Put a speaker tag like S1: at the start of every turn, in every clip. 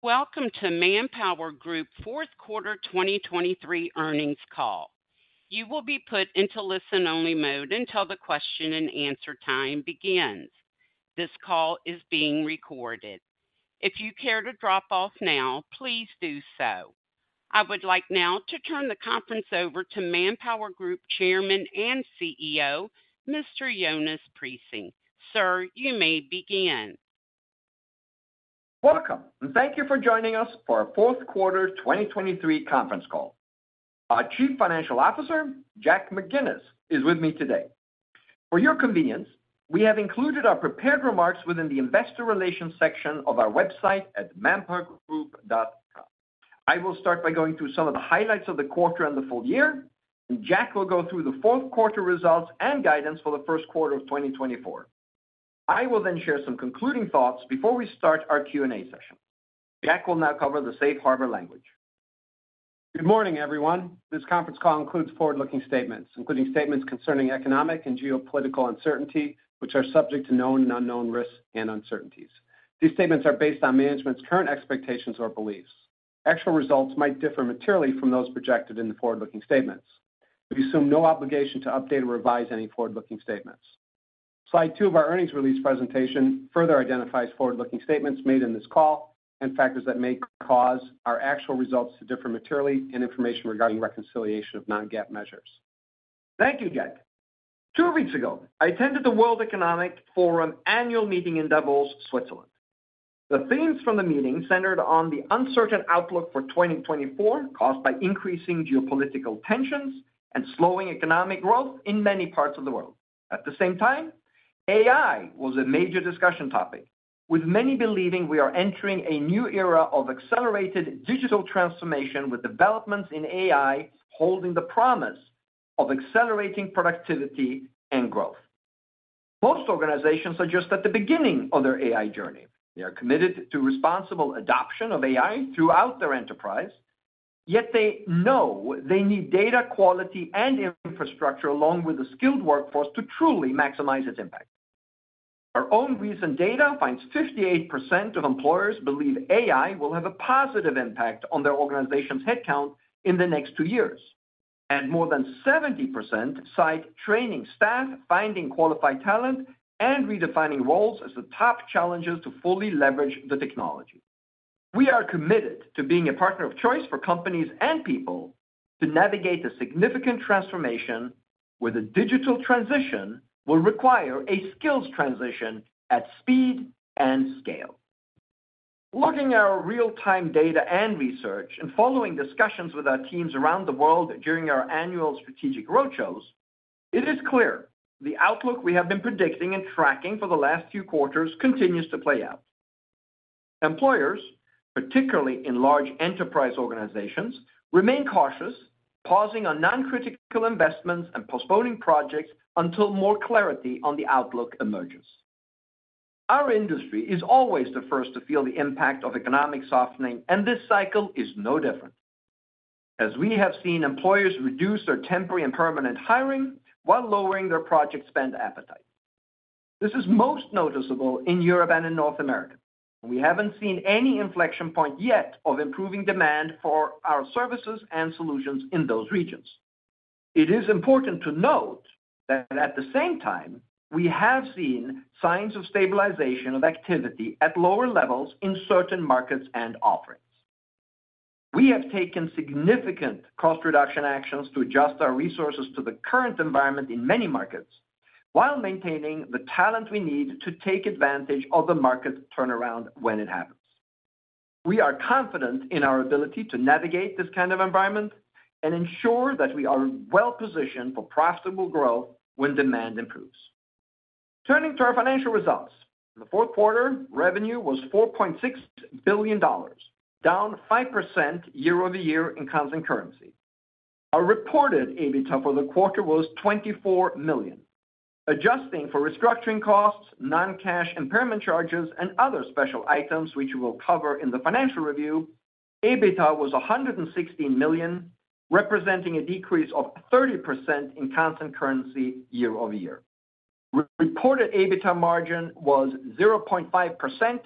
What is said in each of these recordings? S1: Welcome to ManpowerGroup Q4 2023 Earnings Call. You will be put into listen-only mode until the question-and-answer time begins. This call is being recorded. If you care to drop off now, please do so. I would like now to turn the conference over to ManpowerGroup Chairman and CEO, Mr. Jonas Prising. Sir, you may begin.
S2: Welcome, and thank you for joining us for our Q4 2023 Conference Call. Our Chief Financial Officer, Jack McGinnis, is with me today. For your convenience, we have included our prepared remarks within the investor relations section of our website at manpowergroup.com. I will start by going through some of the highlights of the quarter and the Full Year, and Jack will go through the Q4 results and guidance for the Q1 of 2024. I will then share some concluding thoughts before we start our Q&A session. Jack will now cover the safe harbor language.
S3: Good morning, everyone. This conference call includes forward-looking statements, including statements concerning economic and geopolitical uncertainty, which are subject to known and unknown risks and uncertainties. These statements are based on management's current expectations or beliefs. Actual results might differ materially from those projected in the forward-looking statements. We assume no obligation to update or revise any forward-looking statements. Slide two of our earnings release presentation further identifies forward-looking statements made in this call and factors that may cause our actual results to differ materially, and information regarding reconciliation of non-GAAP measures.
S2: Thank you, Jack. Two weeks ago, I attended the World Economic Forum Annual Meeting in Davos, Switzerland. The themes from the meeting centered on the uncertain outlook for 2024, caused by increasing geopolitical tensions and slowing economic growth in many parts of the world. At the same time, AI was a major discussion topic, with many believing we are entering a new era of accelerated digital transformation, with developments in AI holding the promise of accelerating productivity and growth. Most organizations are just at the beginning of their AI journey. They are committed to responsible adoption of AI throughout their enterprise, yet they know they need data quality and infrastructure, along with a skilled workforce, to truly maximize its impact. Our own recent data finds 58% of employers believe AI will have a positive impact on their organization's headcount in the next two years, and more than 70% cite training staff, finding qualified talent, and redefining roles as the top challenges to fully leverage the technology. We are committed to being a partner of choice for companies and people to navigate the significant transformation, where the digital transition will require a skills transition at speed and scale. Looking at our real-time data and research, and following discussions with our teams around the world during our annual strategic roadshows, it is clear the outlook we have been predicting and tracking for the last few quarters continues to play out. Employers, particularly in large enterprise organizations, remain cautious, pausing on non-critical investments and postponing projects until more clarity on the outlook emerges. Our industry is always the first to feel the impact of economic softening, and this cycle is no different, as we have seen employers reduce their temporary and permanent hiring while lowering their project spend appetite. This is most noticeable in Europe and in North America. We haven't seen any inflection point yet of improving demand for our services and solutions in those regions. It is important to note that at the same time, we have seen signs of stabilization of activity at lower levels in certain markets and offerings. We have taken significant cost reduction actions to adjust our resources to the current environment in many markets, while maintaining the talent we need to take advantage of the market turnaround when it happens. We are confident in our ability to navigate this environment and ensure that we are well-positioned for profitable growth when demand improves. Turning to our financial results. In the Q4, revenue was $4.6 billion, down 5% year-over-year in constant currency. Our reported EBITDA for the quarter was $24 million. Adjusting for restructuring costs, non-cash impairment charges, and other special items, which we'll cover in the financial review, EBITDA was $116 million, representing a decrease of 30% in constant currency year-over-year. Reported EBITDA margin was 0.5%,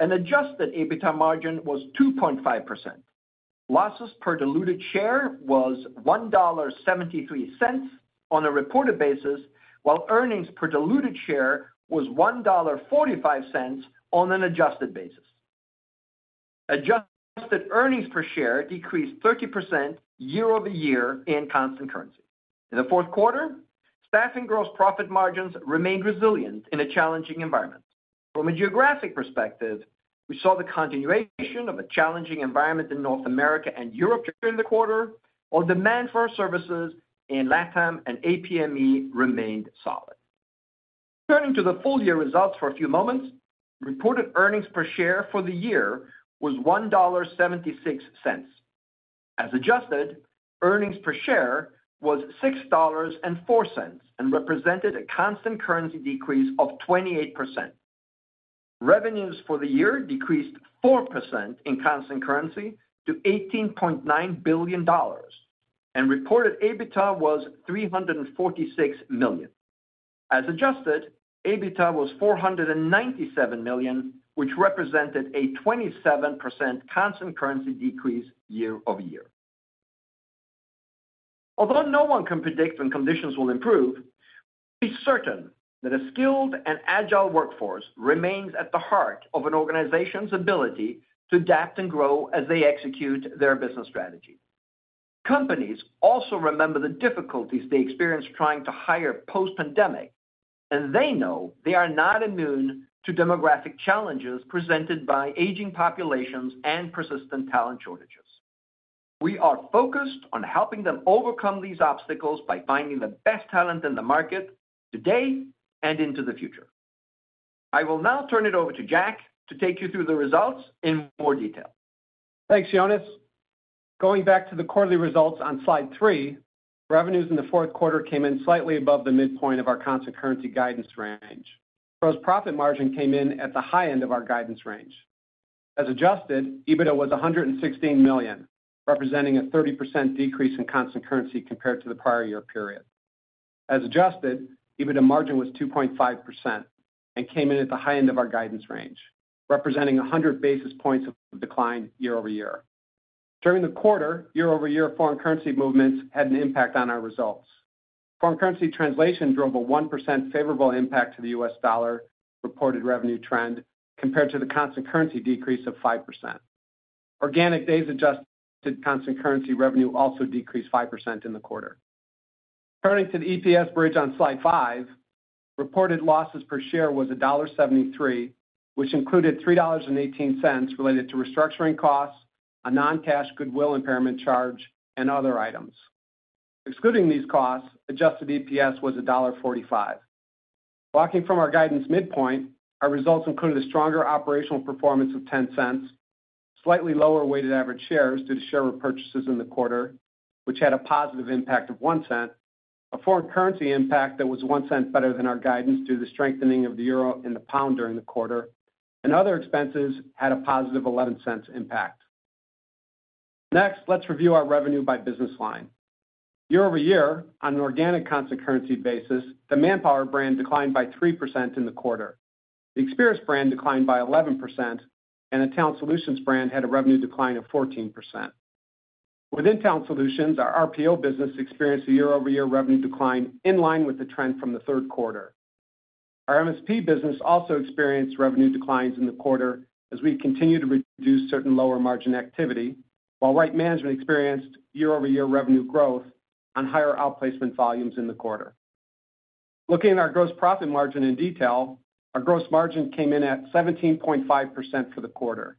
S2: and adjusted EBITDA margin was 2.5%. Losses per diluted share was $1.73 on a reported basis, while earnings per diluted share was $1.45 on an adjusted basis. Adjusted earnings per share decreased 30% year-over-year in constant currency. In the Q4, staffing gross profit margins remained resilient in a challenging environment. From a geographic perspective, we saw the continuation of a challenging environment in North America and Europe during the quarter, while demand for our services in LATAM and APME remained solid. Turning to the Full Year results for a few moments. Reported earnings per share for the year was $1.76. As adjusted, earnings per share was $6.04 and represented a constant currency decrease of 28%. Revenues for the year decreased 4% in constant currency to $18.9 billion, and reported EBITDA was $346 million. As adjusted, EBITDA was $497 million, which represented a 27% constant currency decrease year-over-year. Although no one can predict when conditions will improve, be certain that a skilled and agile workforce remains at the heart of an organization's ability to adapt and grow as they execute their business strategy. Companies also remember the difficulties they experienced trying to hire post-pandemic, and they know they are not immune to demographic challenges presented by aging populations and persistent talent shortages. We are focused on helping them overcome these obstacles by finding the best talent in the market today and into the future. I will now turn it over to Jack to take you through the results in more detail.
S3: Thanks, Jonas. Going back to the quarterly results on slide three, revenues in the Q4 came in slightly above the midpoint of our constant currency guidance range. Gross profit margin came in at the high end of our guidance range. As adjusted, EBITDA was $116 million, representing a 30% decrease in constant currency compared to the prior year period. As adjusted, EBITDA margin was 2.5% and came in at the high end of our guidance range, representing 100 basis points of decline year-over-year. During the quarter, year-over-year foreign currency movements had an impact on our results. Foreign currency translation drove a 1% favorable impact to the US dollar reported revenue trend compared to the constant currency decrease of 5%. Organic days adjusted constant currency revenue also decreased 5% in the quarter. Turning to the EPS bridge on slide five, reported losses per share was $1.73, which included $3.18 related to restructuring costs, a non-cash goodwill impairment charge, and other items. Excluding these costs, adjusted EPS was $1.45. Walking from our guidance midpoint, our results included a stronger operational performance of $0.10, slightly lower weighted average shares due to share repurchases in the quarter, which had a positive impact of $0.01. A foreign currency impact that was $0.01 better than our guidance due to the strengthening of the euro and the pound during the quarter, and other expenses had a positive $0.11 impact. Next, let's review our revenue by business line. Year-over-year, on an organic constant currency basis, the Manpower brand declined by 3% in the quarter. The Experis brand declined by 11%, and the Talent Solutions brand had a revenue decline of 14%. Within Talent Solutions, our RPO business experienced a year-over-year revenue decline in line with the trend from the Q3. Our MSP business also experienced revenue declines in the quarter as we continue to reduce certain lower margin activity, while Right Management experienced year-over-year revenue growth on higher outplacement volumes in the quarter. Looking at our gross profit margin in detail, our gross margin came in at 17.5% for the quarter.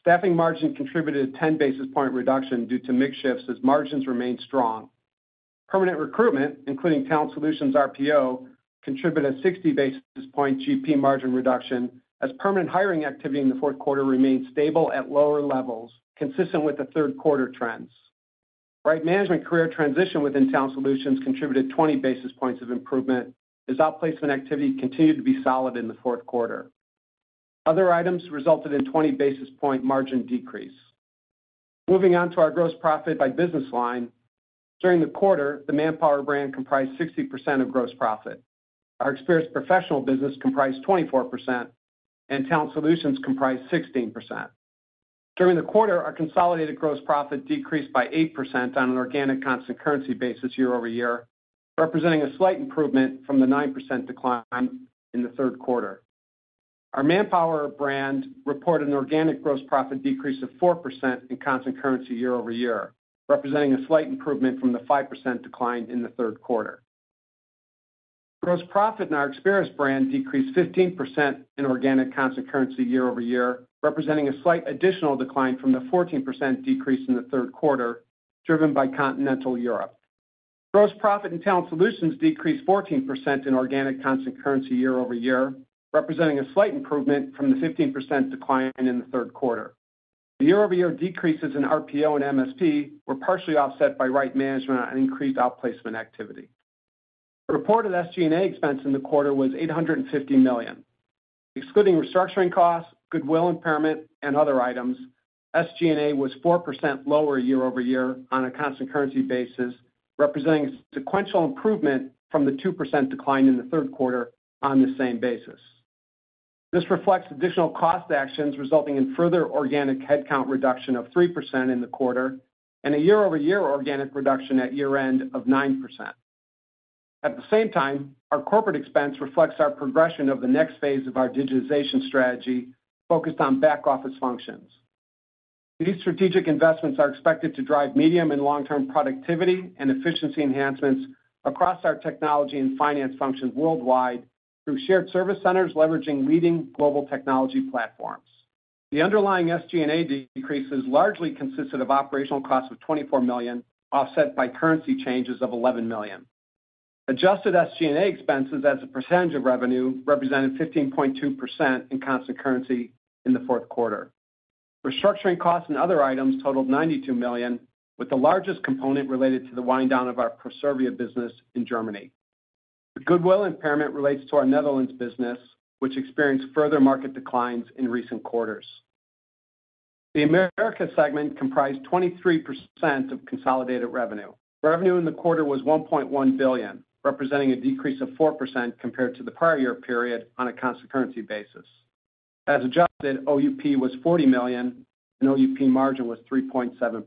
S3: Staffing margin contributed a 10 basis point reduction due to mix shifts as margins remained strong. Permanent recruitment, including Talent Solutions RPO, contributed a 60 basis point GP margin reduction, as permanent hiring activity in the Q4 remained stable at lower levels, consistent with the Q3 trends. Right Management career transition within Talent Solutions contributed 20 basis points of improvement as outplacement activity continued to be solid in the Q4. Other items resulted in 20 basis point margin decrease. Moving on to our gross profit by business line. During the quarter, the Manpower brand comprised 60% of gross profit. Our Experis professional business comprised 24%, and Talent Solutions comprised 16%. During the quarter, our consolidated gross profit decreased by 8% on an organic constant currency basis year-over-year, representing a slight improvement from the 9% decline in the Q3. Our Manpower brand reported an organic gross profit decrease of 4% in constant currency year-over-year, representing a slight improvement from the 5% decline in the Q3. Gross profit in our Experis brand decreased 15% in organic constant currency year-over-year, representing a slight additional decline from the 14% decrease in the Q3, driven by Continental Europe. Gross profit in Talent Solutions decreased 14% in organic constant currency year-over-year, representing a slight improvement from the 15% decline in the Q3. The year-over-year decreases in RPO and MSP were partially offset by Right Management and increased outplacement activity. Reported SG&A expense in the quarter was $850 million. Excluding restructuring costs, goodwill impairment, and other items, SG&A was 4% lower year-over-year on a constant currency basis, representing a sequential improvement from the 2% decline in the Q3 on the same basis. This reflects additional cost actions, resulting in further organic headcount reduction of 3% in the quarter and a year-over-year organic reduction at year-end of 9%. At the same time, our corporate expense reflects our progression of the next phase of our digitization strategy, focused on back-office functions. These strategic investments are expected to drive medium and long-term productivity and efficiency enhancements across our technology and finance functions worldwide, through shared service centers leveraging leading global technology platforms. The underlying SG&A decreases largely consisted of operational costs of $24 million, offset by currency changes of $11 million. Adjusted SG&A expenses as a percentage of revenue, represented 15.2% in constant currency in the Q4. Restructuring costs and other items totaled $92 million, with the largest component related to the wind down of our Proservia business in Germany. The goodwill impairment relates to our Netherlands business, which experienced further market declines in recent quarters. The Americas segment comprised 23% of consolidated revenue. Revenue in the quarter was $1.1 billion, representing a decrease of 4% compared to the prior year period on a constant currency basis. As adjusted, OUP was $40 million, and OUP margin was 3.7%.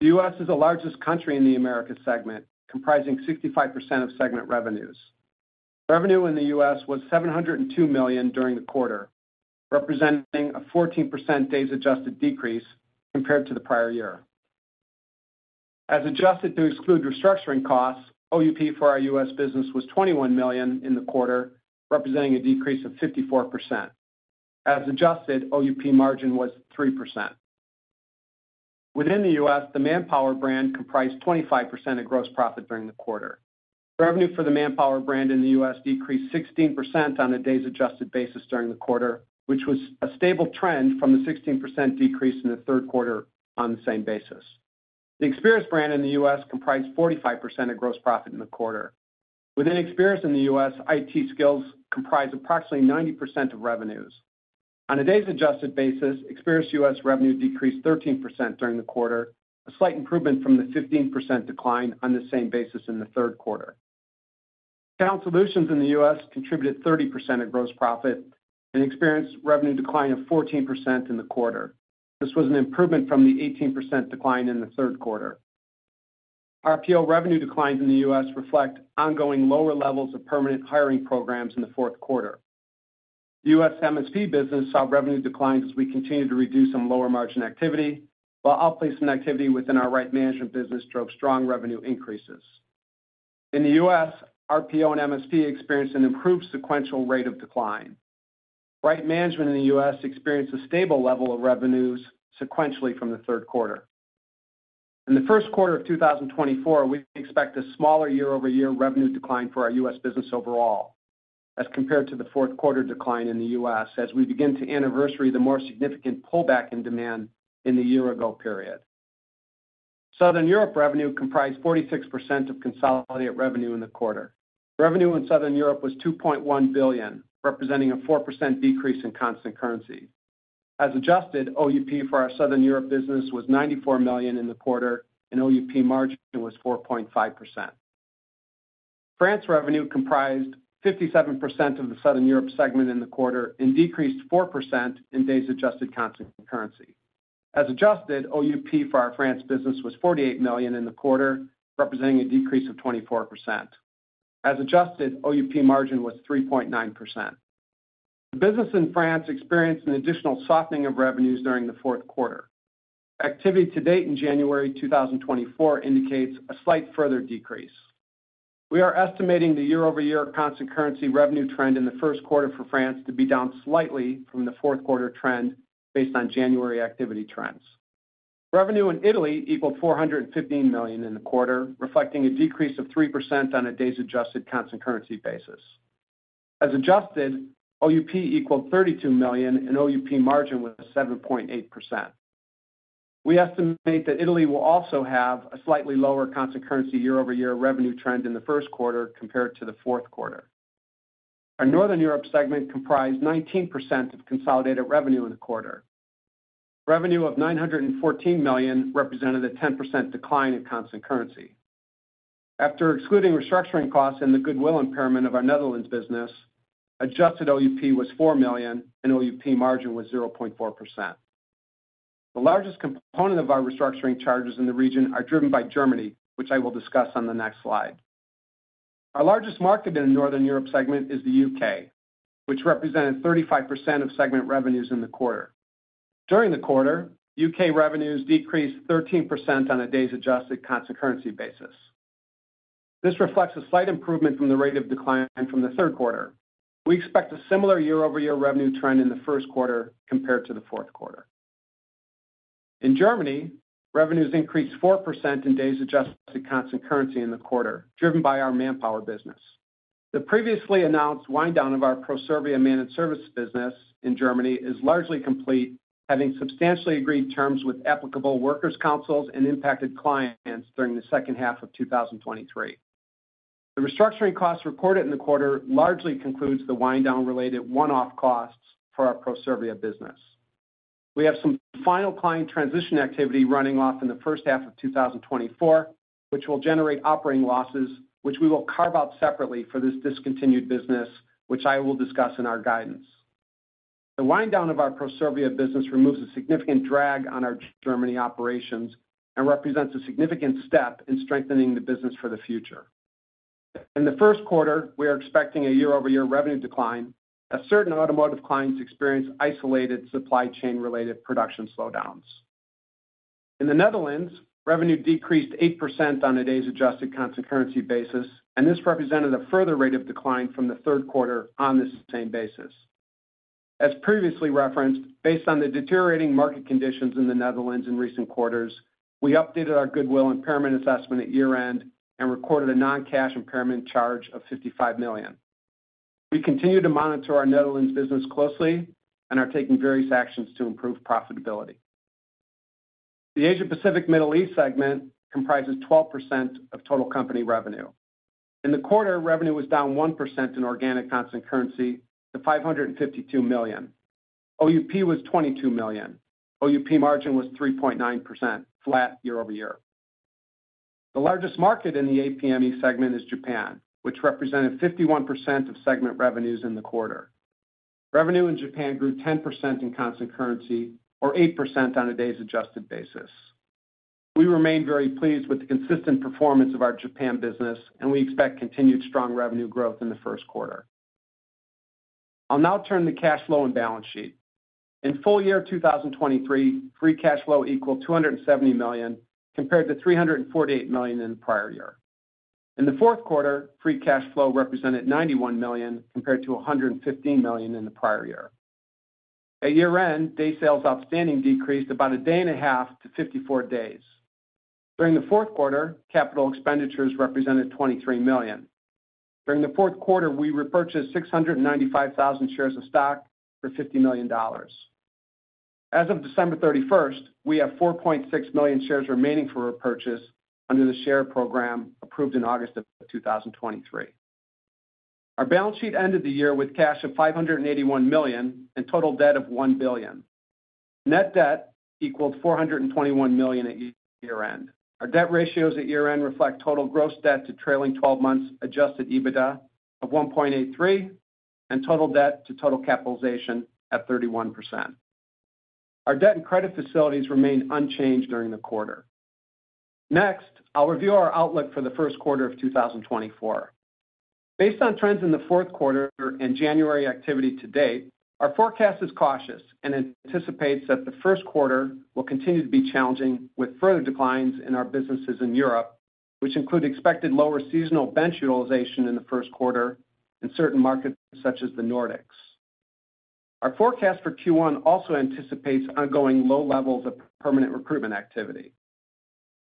S3: The US is the largest country in the Americas segment, comprising 65% of segment revenues. Revenue in the US was $702 million during the quarter, representing a 14% days adjusted decrease compared to the prior year. As adjusted to exclude restructuring costs, OUP for our US business was $21 million in the quarter, representing a decrease of 54%. As adjusted, OUP margin was 3%. Within the U.S., the Manpower brand comprised 25% of gross profit during the quarter. Revenue for the Manpower brand in the U.S. decreased 16% on a days adjusted basis during the quarter, which was a stable trend from the 16% decrease in the Q3 on the same basis. The Experis brand in the U.S. comprised 45% of gross profit in the quarter. Within Experis in the U.S., IT Skills comprised approximately 90% of revenues. On a days adjusted basis, Experis U.S. revenue decreased 13% during the quarter, a slight improvement from the 15% decline on the same basis in the Q3. Talent Solutions in the U.S. contributed 30% of gross profit and experienced revenue decline of 14% in the quarter. This was an improvement from the 18% decline in the Q3. Our RPO revenue declines in the U.S. reflect ongoing lower levels of permanent hiring programs in the Q4. The U.S. MSP business saw revenue declines as we continued to reduce some lower margin activity, while outplacement activity within our Right Management business drove strong revenue increases. In the U.S., RPO and MSP experienced an improved sequential rate of decline. Right Management in the U.S. experienced a stable level of revenues sequentially from the Q3. In the Q1 of 2024, we expect a smaller year-over-year revenue decline for our U.S. business overall as compared to the Q4 decline in the U.S. as we begin to anniversary the more significant pullback in demand in the year ago period. Southern Europe revenue comprised 46% of consolidated revenue in the quarter. Revenue in Southern Europe was $2.1 billion, representing a 4% decrease in constant currency. As adjusted, OUP for our Southern Europe business was $94 million in the quarter, and OUP margin was 4.5%. France revenue comprised 57% of the Southern Europe segment in the quarter and decreased 4% in days adjusted constant currency. As adjusted, OUP for our France business was $48 million in the quarter, representing a decrease of 24%. As adjusted, OUP margin was 3.9%. The business in France experienced an additional softening of revenues during the Q4. Activity to date in January 2024 indicates a slight further decrease. We are estimating the year-over-year constant currency revenue trend in the Q1 for France to be down slightly from the Q4 trend based on January activity trends. Revenue in Italy equaled $415 million in the quarter, reflecting a decrease of 3% on a days adjusted constant currency basis. As adjusted, OUP equaled $32 million, and OUP margin was 7.8%. We estimate that Italy will also have a slightly lower constant currency year-over-year revenue trend in the Q1 compared to the Q4. Our Northern Europe segment comprised 19% of consolidated revenue in the quarter. Revenue of $914 million represented a 10% decline in constant currency. After excluding restructuring costs and the goodwill impairment of our Netherlands business, adjusted OUP was $4 million, and OUP margin was 0.4%. The largest component of our restructuring charges in the region are driven by Germany, which I will discuss on the next slide. Our largest market in the Northern Europe segment is the UK, which represented 35% of segment revenues in the quarter. During the quarter, UK revenues decreased 13% on a days adjusted constant currency basis. This reflects a slight improvement from the rate of decline from the Q3. We expect a similar year-over-year revenue trend in the Q1 compared to the Q4. In Germany, revenues increased 4% in days adjusted constant currency in the quarter, driven by our Manpower business. The previously announced wind down of our Proservia managed services business in Germany is largely complete, having substantially agreed terms with applicable workers councils and impacted clients during the H2 of 2023. The restructuring costs reported in the quarter largely concludes the wind down related one-off costs for our Proservia business. We have some final client transition activity running off in the H1 of 2024, which will generate operating losses, which we will carve out separately for this discontinued business, which I will discuss in our guidance. The wind down of our Proservia business removes a significant drag on our Germany operations and represents a significant step in strengthening the business for the future. In the Q1, we are expecting a year-over-year revenue decline as certain automotive clients experience isolated supply chain-related production slowdowns. In the Netherlands, revenue decreased 8% on a days adjusted constant currency basis, and this represented a further rate of decline from the Q3 on this same basis. As previously referenced, based on the deteriorating market conditions in the Netherlands in recent quarters, we updated our goodwill impairment assessment at year-end and recorded a non-cash impairment charge of $55 million. We continue to monitor our Netherlands business closely and are taking various actions to improve profitability. The Asia Pacific Middle East segment comprises 12% of total company revenue. In the quarter, revenue was down 1% in organic constant currency to $552 million. OUP was $22 million. OUP margin was 3.9%, flat year-over-year. The largest market in the APME segment is Japan, which represented 51% of segment revenues in the quarter. Revenue in Japan grew 10% in constant currency, or 8% on a days adjusted basis. We remain very pleased with the consistent performance of our Japan business, and we expect continued strong revenue growth in the Q1. I'll now turn to cash flow and balance sheet. In Full Year 2023, free cash flow equaled $270 million, compared to $348 million in the prior year. In the Q4, free cash flow represented $91 million, compared to $115 million in the prior year. At year-end, days sales outstanding decreased about a day and a half to 54 days. During the Q4, capital expenditures represented $23 million. During the Q4, we repurchased 695,000 shares of stock for $50 million. As of December 31, we have 4.6 million shares remaining for repurchase under the share program approved in August 2023. Our balance sheet ended the year with cash of $581 million and total debt of $1 billion. Net debt equaled $421 million at year-end. Our debt ratios at year-end reflect total gross debt to trailing twelve months adjusted EBITDA of 1.83, and total debt to total capitalization at 31%. Our debt and credit facilities remained unchanged during the quarter. Next, I'll review our outlook for the Q1 of 2024. Based on trends in the Q4 and January activity to date, our forecast is cautious and anticipates that the Q1 will continue to be challenging, with further declines in our businesses in Europe, which include expected lower seasonal bench utilization in the Q1 in certain markets, such as the Nordics. Our forecast for Q1 also anticipates ongoing low levels of permanent recruitment activity.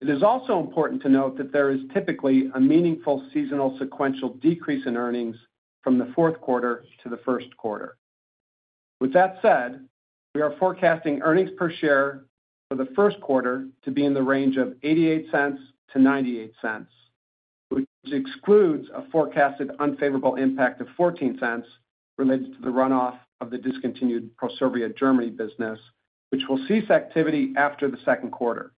S3: It is also important to note that there is typically a meaningful seasonal sequential decrease in earnings from the Q4 to the Q1. With that said, we are forecasting earnings per share for the Q1 to be in the range of $0.88-$0.98, which excludes a forecasted unfavorable impact of $0.14 related to the runoff of the discontinued Proservia Germany business, which will cease activity after the Q2.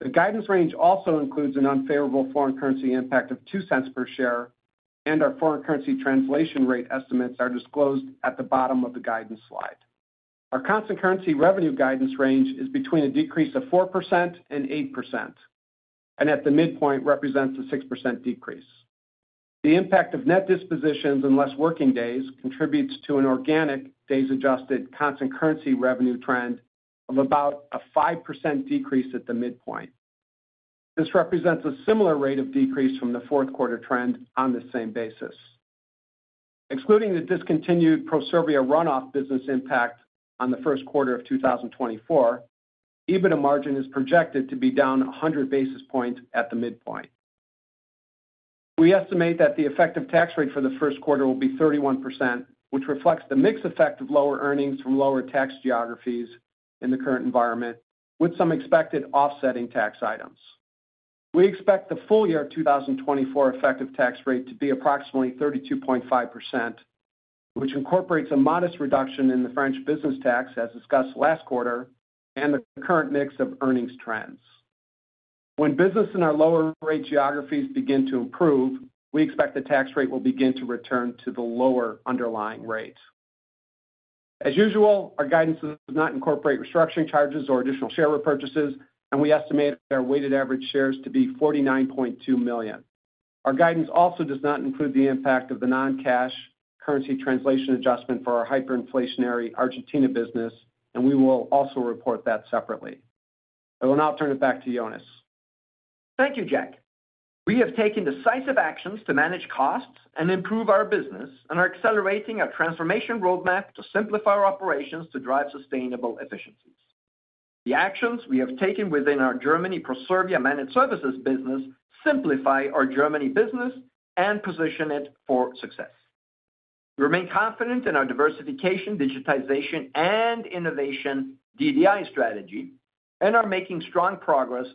S3: The guidance range also includes an unfavorable foreign currency impact of $0.02 per share, and our foreign currency translation rate estimates are disclosed at the bottom of the guidance slide. Our constant currency revenue guidance range is between a decrease of 4% and 8%, and at the midpoint represents a 6% decrease. The impact of net dispositions and less working days contributes to an organic days adjusted constant currency revenue trend of about a 5% decrease at the midpoint. This represents a similar rate of decrease from the Q4 trend on the same basis. Excluding the discontinued Proservia runoff business impact on the Q1 of 2024, EBITDA margin is projected to be down 100 basis points at the midpoint. We estimate that the effective tax rate for the Q1 will be 31%, which reflects the mix effect of lower earnings from lower tax geographies in the current environment, with some expected offsetting tax items. We expect the Full Year 2024 effective tax rate to be approximately 32.5%, which incorporates a modest reduction in the French business tax, as discussed last quarter, and the current mix of earnings trends. When business in our lower rate geographies begin to improve, we expect the tax rate will begin to return to the lower underlying rates. As usual, our guidance does not incorporate restructuring charges or additional share repurchases, and we estimate our weighted average shares to be 49.2 million. Our guidance also does not include the impact of the non-cash currency translation adjustment for our hyperinflationary Argentina business, and we will also report that separately. I will now turn it back to Jonas.
S2: Thank you, Jack. We have taken decisive actions to manage costs and improve our business and are accelerating our transformation roadmap to simplify our operations to drive sustainable efficiencies. The actions we have taken within our Germany Proservia Managed Services business simplify our Germany business and position it for success. We remain confident in our diversification, digitization, and innovation DDI strategy and are making strong progress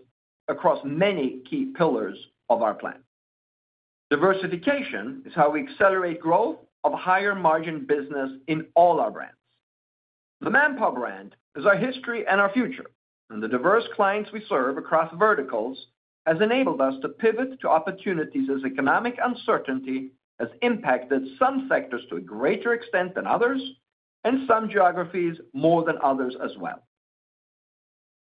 S2: across many key pillars of our plan. Diversification is how we accelerate growth of higher-margin business in all our brands. The Manpower brand is our history and our future, and the diverse clients we serve across verticals has enabled us to pivot to opportunities as economic uncertainty has impacted some sectors to a greater extent than others, and some geographies more than others as well.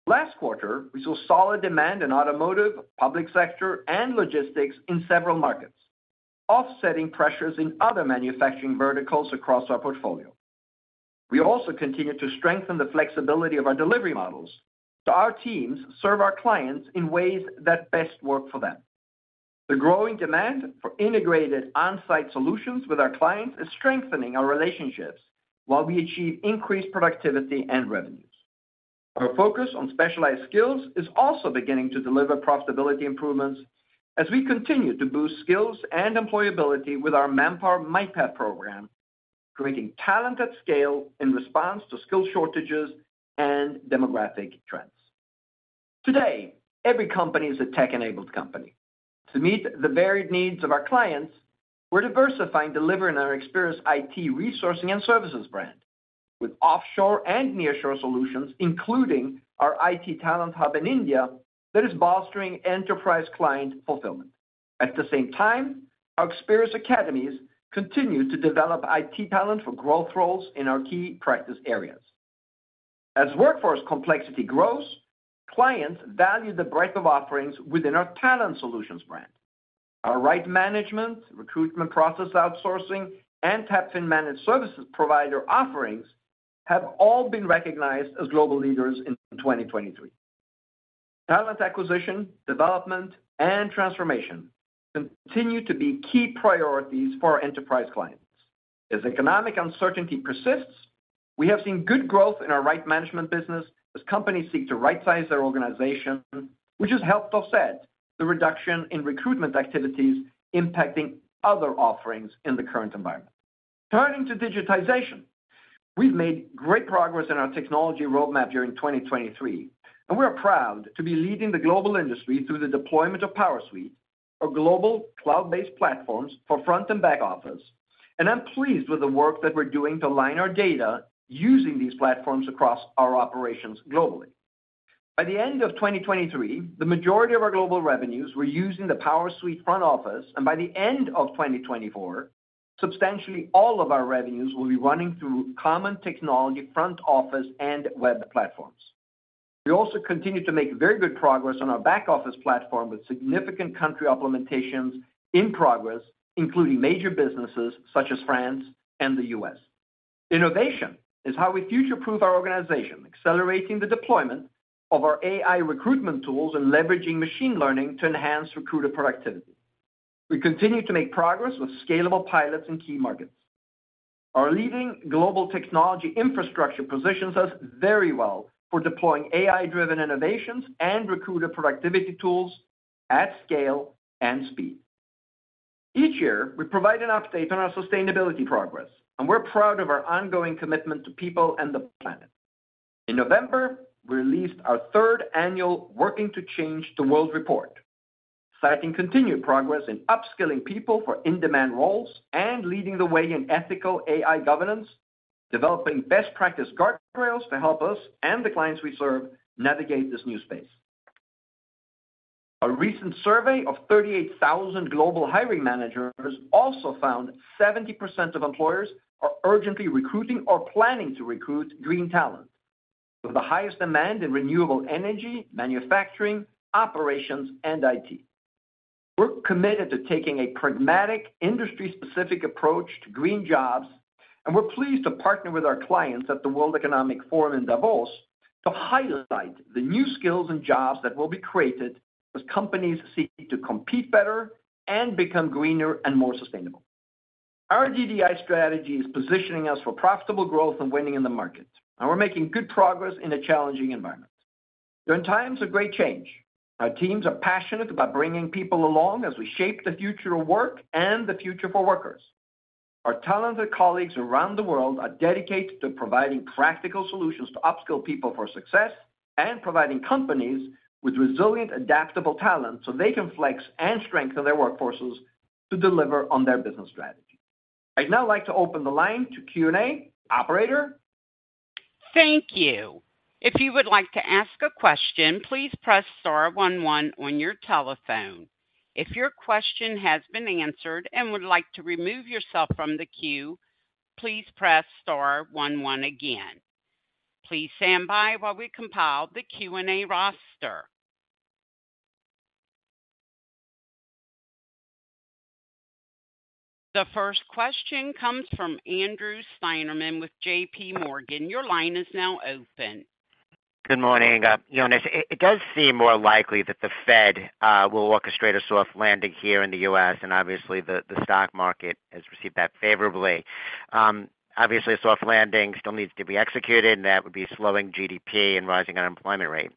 S2: Last quarter, we saw solid demand in automotive, public sector, and logistics in several markets, offsetting pressures in other manufacturing verticals across our portfolio. We also continued to strengthen the flexibility of our delivery models, so our teams serve our clients in ways that best work for them. The growing demand for integrated on-site solutions with our clients is strengthening our relationships while we achieve increased productivity and revenues. Our focus on specialized skills is also beginning to deliver profitability improvements as we continue to boost skills and employability with our Manpower MyPath program, creating talent at scale in response to skill shortages and demographic trends. Today, every company is a tech-enabled company. To meet the varied needs of our clients, we're diversifying, delivering on our Experis IT resourcing and services brand with offshore and nearshore solutions, including our IT talent hub in India, that is bolstering enterprise client fulfillment. At the same time, our Experis academies continue to develop IT talent for growth roles in our key practice areas. As workforce complexity grows, clients value the breadth of offerings within our Talent Solutions brand. Our Right Management, recruitment process outsourcing, and TAPFIN managed services provider offerings have all been recognized as global leaders in 2023. Talent acquisition, development, and transformation continue to be key priorities for our enterprise clients. As economic uncertainty persists, we have seen good growth in our Right Management business as companies seek to right-size their organization, which has helped offset the reduction in recruitment activities impacting other offerings in the current environment. Turning to digitization, we've made great progress in our technology roadmap during 2023, and we are proud to be leading the global industry through the deployment of PowerSuite, our global cloud-based platforms for front and back office. I'm pleased with the work that we're doing to line our data using these platforms across our operations globally. By the end of 2023, the majority of our global revenues were using the PowerSuite front office, and by the end of 2024, substantially all of our revenues will be running through common technology, front office, and web platforms. We also continued to make very good progress on our back-office platform, with significant country implementations in progress, including major businesses such as France and the U.S. Innovation is how we future-proof our organization, accelerating the deployment of our AI recruitment tools and leveraging machine learning to enhance recruiter productivity. We continue to make progress with scalable pilots in key markets. Our leading global technology infrastructure positions us very well for deploying AI-driven innovations and recruiter productivity tools at scale and speed. Each year, we provide an update on our sustainability progress, and we're proud of our ongoing commitment to people and the planet. In November, we released our third annual Working to Change the World report, citing continued progress in upskilling people for in-demand roles and leading the way in ethical AI governance, developing best practice guardrails to help us and the clients we serve navigate this new space. A recent survey of 38,000 global hiring managers also found 70% of employers are urgently recruiting or planning to recruit green talent, with the highest demand in renewable energy, manufacturing, operations, and IT. We're committed to taking a pragmatic, industry-specific approach to green jobs, and we're pleased to partner with our clients at the World Economic Forum in Davos to highlight the new skills and jobs that will be created as companies seek to compete better and become greener and more sustainable. Our DDI strategy is positioning us for profitable growth and winning in the market, and we're making good progress in a challenging environment. During times of great change, our teams are passionate about bringing people along as we shape the future of work and the future for workers. Our talented colleagues around the world are dedicated to providing practical solutions to upskill people for success and providing companies with resilient, adaptable talent, so they can flex and strengthen their workforces to deliver on their business strategy. I'd now like to open the line to Q&A. Operator?
S1: Thank you. If you would like to ask a question, please press star one one on your telephone. If your question has been answered and would like to remove yourself from the queue, please press star one one again. Please stand by while we compile the Q&A roster. The first question comes from Andrew Steinerman with JPMorgan. Your line is now open.
S4: Good morning, Jonas. It does seem more likely that the Fed will orchestrate a soft landing here in the U.S., and obviously, the stock market has received that favorably. Obviously, a soft landing still needs to be executed, and that would be slowing GDP and rising unemployment rate.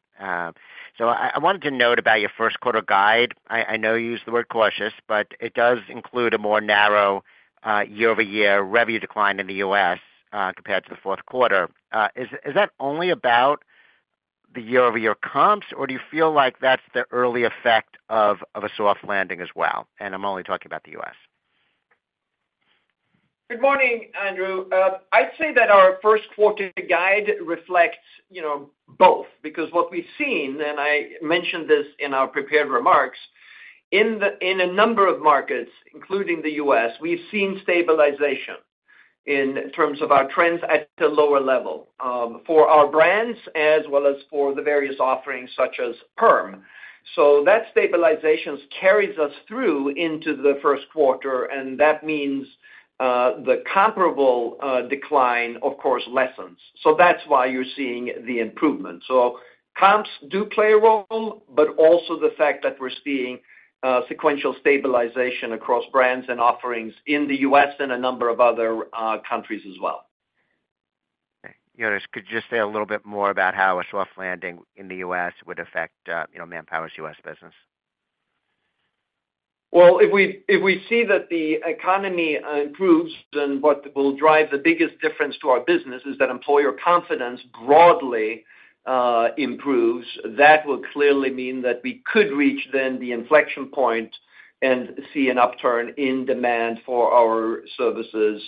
S4: So I wanted to note about your Q1 guide. I know you used the word cautious, but it does include a more narrow year-over-year revenue decline in the U.S. compared to the Q4. Is that only about the year-over-year comps, or do you feel like that's the early effect of a soft landing as well? I'm only talking about the U.S.
S2: Good morning, Andrew. I'd say that our Q1 guide reflects both because what we've seen, and I mentioned this in our prepared remarks, in a number of markets, including the U.S., we've seen stabilization in terms of our trends at a lower level, for our brands as well as for the various offerings such as Perm. So that stabilization carries us through into the Q1, and that means, the comparable decline, of course, lessens. So that's why you're seeing the improvement. So comps do play a role, but also the fact that we're seeing, sequential stabilization across brands and offerings in the U.S. and a number of other countries as well.
S4: Okay. Jonas, could you just say a little bit more about how a soft landing in the U.S. would affect, you know, Manpower's U.S. business?...
S2: Well, if we, if we see that the economy improves, then what will drive the biggest difference to our business is that employer confidence broadly improves. That will clearly mean that we could reach then the inflection point and see an upturn in demand for our services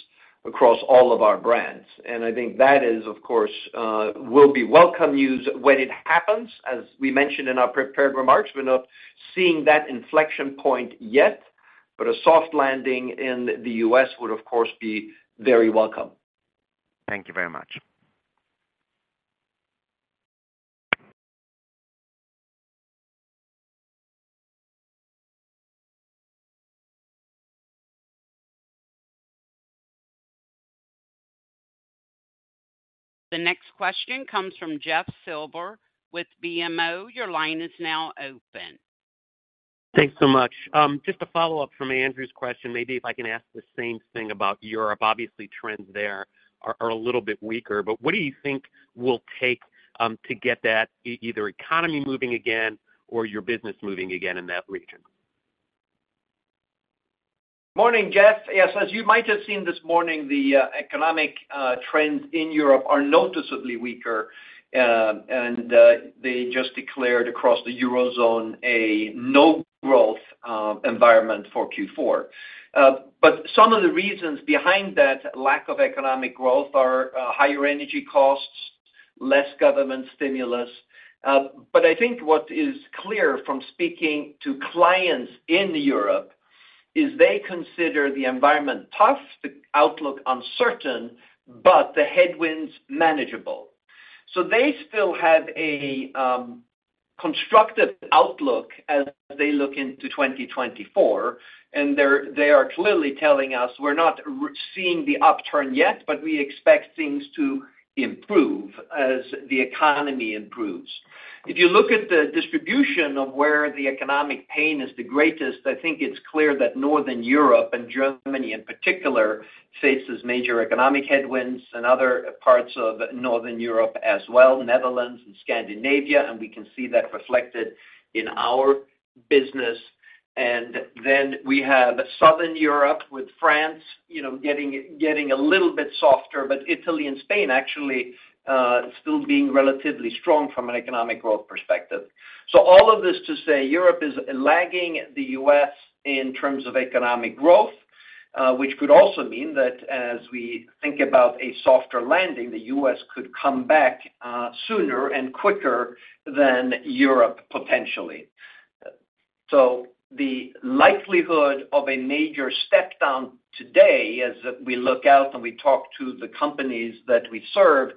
S2: across all of our brands. I think that is, of course, will be welcome news when it happens. As we mentioned in our prepared remarks, we're not seeing that inflection point yet, but a soft landing in the U.S. would, of course, be very welcome.
S4: Thank you very much.
S1: The next question comes from Jeff Silber with BMO. Your line is now open.
S5: Thanks so much. Just a follow-up from Andrew's question. Maybe if I can ask the same thing about Europe. Obviously, trends there are a little bit weaker, but what do you think will take to get that either economy moving again or your business moving again in that region?
S2: Morning, Jeff. Yes, as you might have seen this morning, the economic trends in Europe are noticeably weaker, and they just declared across the Eurozone a no-growth environment for Q4. Some of the reasons behind that lack of economic growth are higher energy costs, less government stimulus. I think what is clear from speaking to clients in Europe is they consider the environment tough, the outlook uncertain, but the headwinds manageable. So they still have a constructive outlook as they look into 2024, and they're they are clearly telling us, "We're not seeing the upturn yet, but we expect things to improve as the economy improves." If you look at the distribution of where the economic pain is the greatest, I think it's clear that Northern Europe, and Germany in particular, faces major economic headwinds and other parts of Northern Europe as well, Netherlands and Scandinavia, and we can see that reflected in our business. Then we have Southern Europe, with France, you know, getting a little bit softer, but Italy and Spain actually still being relatively strong from an economic growth perspective. So all of this to say, Europe is lagging the U.S. in terms of economic growth, which could also mean that as we think about a softer landing, the U.S. could come back, sooner and quicker than Europe, potentially. So the likelihood of a major step down today, as we look out and we talk to the companies that we serve,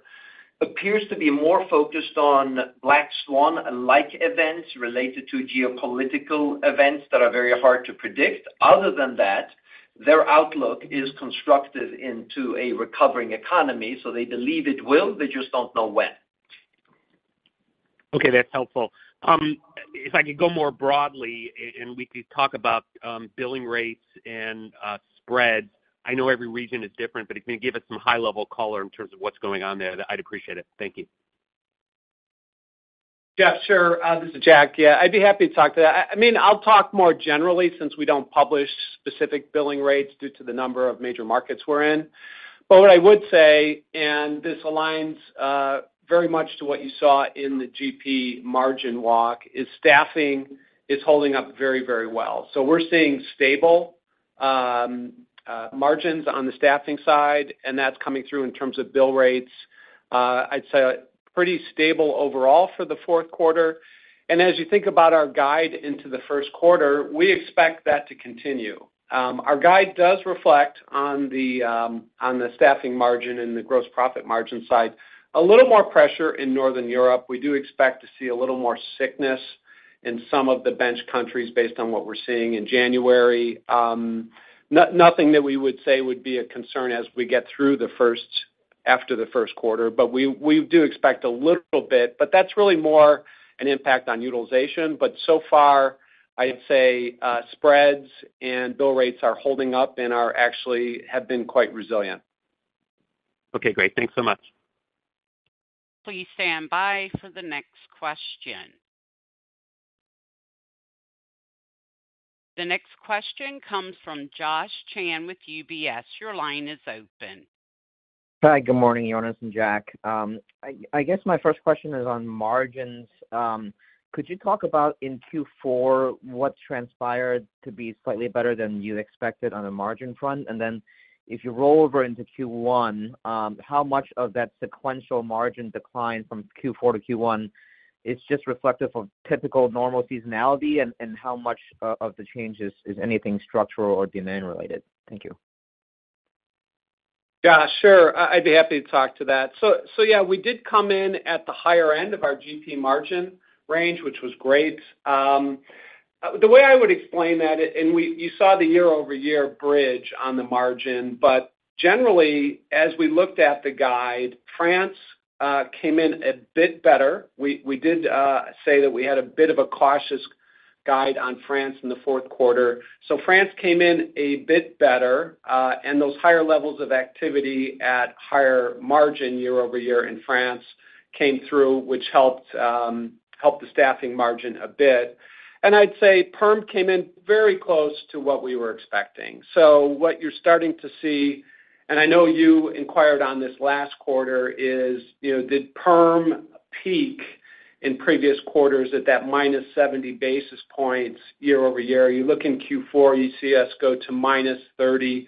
S2: appears to be more focused on black swan-like events related to geopolitical events that are very hard to predict. Other than that, their outlook is constructive into a recovering economy, so they believe it will. They just don't know when.
S5: Okay, that's helpful. If I could go more broadly, and we could talk about, billing rates and, spreads. I know every region is different, but if you can give us some high-level color in terms of what's going on there, I'd appreciate it. Thank you.
S3: Jeff, sure. This is Jack. Yeah, I'd be happy to talk to that. I mean, I'll talk more generally since we don't publish specific billing rates due to the number of major markets we're in. What I would say, and this aligns very much to what you saw in the GP margin walk, is staffing is holding up very, very well. So we're seeing stable margins on the staffing side, and that's coming through in terms of bill rates. I'd say pretty stable overall for the Q4. As you think about our guide into the Q1, we expect that to continue. Our guide does reflect on the staffing margin and the gross profit margin side. A little more pressure in Northern Europe. We do expect to see a little more sickness in some of the bench countries based on what we're seeing in January. Nothing that we would say would be a concern as we get through the first... after the Q1, but we, we do expect a little bit, but that's really more an impact on utilization. So far, I'd say, spreads and bill rates are holding up and are actually have been quite resilient.
S5: Okay, great. Thanks so much.
S1: Please stand by for the next question. The next question comes from Josh Chan with UBS. Your line is open.
S6: Hi, good morning, Jonas and Jack. I guess my first question is on margins. Could you talk about in Q4 what transpired to be slightly better than you expected on the margin front? Then if you roll over into Q1, how much of that sequential margin decline from Q4 to Q1 is just reflective of typical normal seasonality, and how much of the change is anything structural or demand related? Thank you.
S3: Yeah, sure. I'd be happy to talk to that. So yeah, we did come in at the higher end of our GP margin range, which was great. The way I would explain that, and we, you saw the year-over-year bridge on the margin, but generally, as we looked at the guide, France came in a bit better. We did say that we had a bit of a cautious guide on France in the Q4. So France came in a bit better, and those higher levels of activity at higher margin year-over-year in France came through, which helped the staffing margin a bit. I'd say perm came in very close to what we were expecting. So what you're starting to see, and I know you inquired on this last quarter, is, you know, did perm peak in previous quarters at that -70 basis points year-over-year? You look in Q4, you see us go to -30.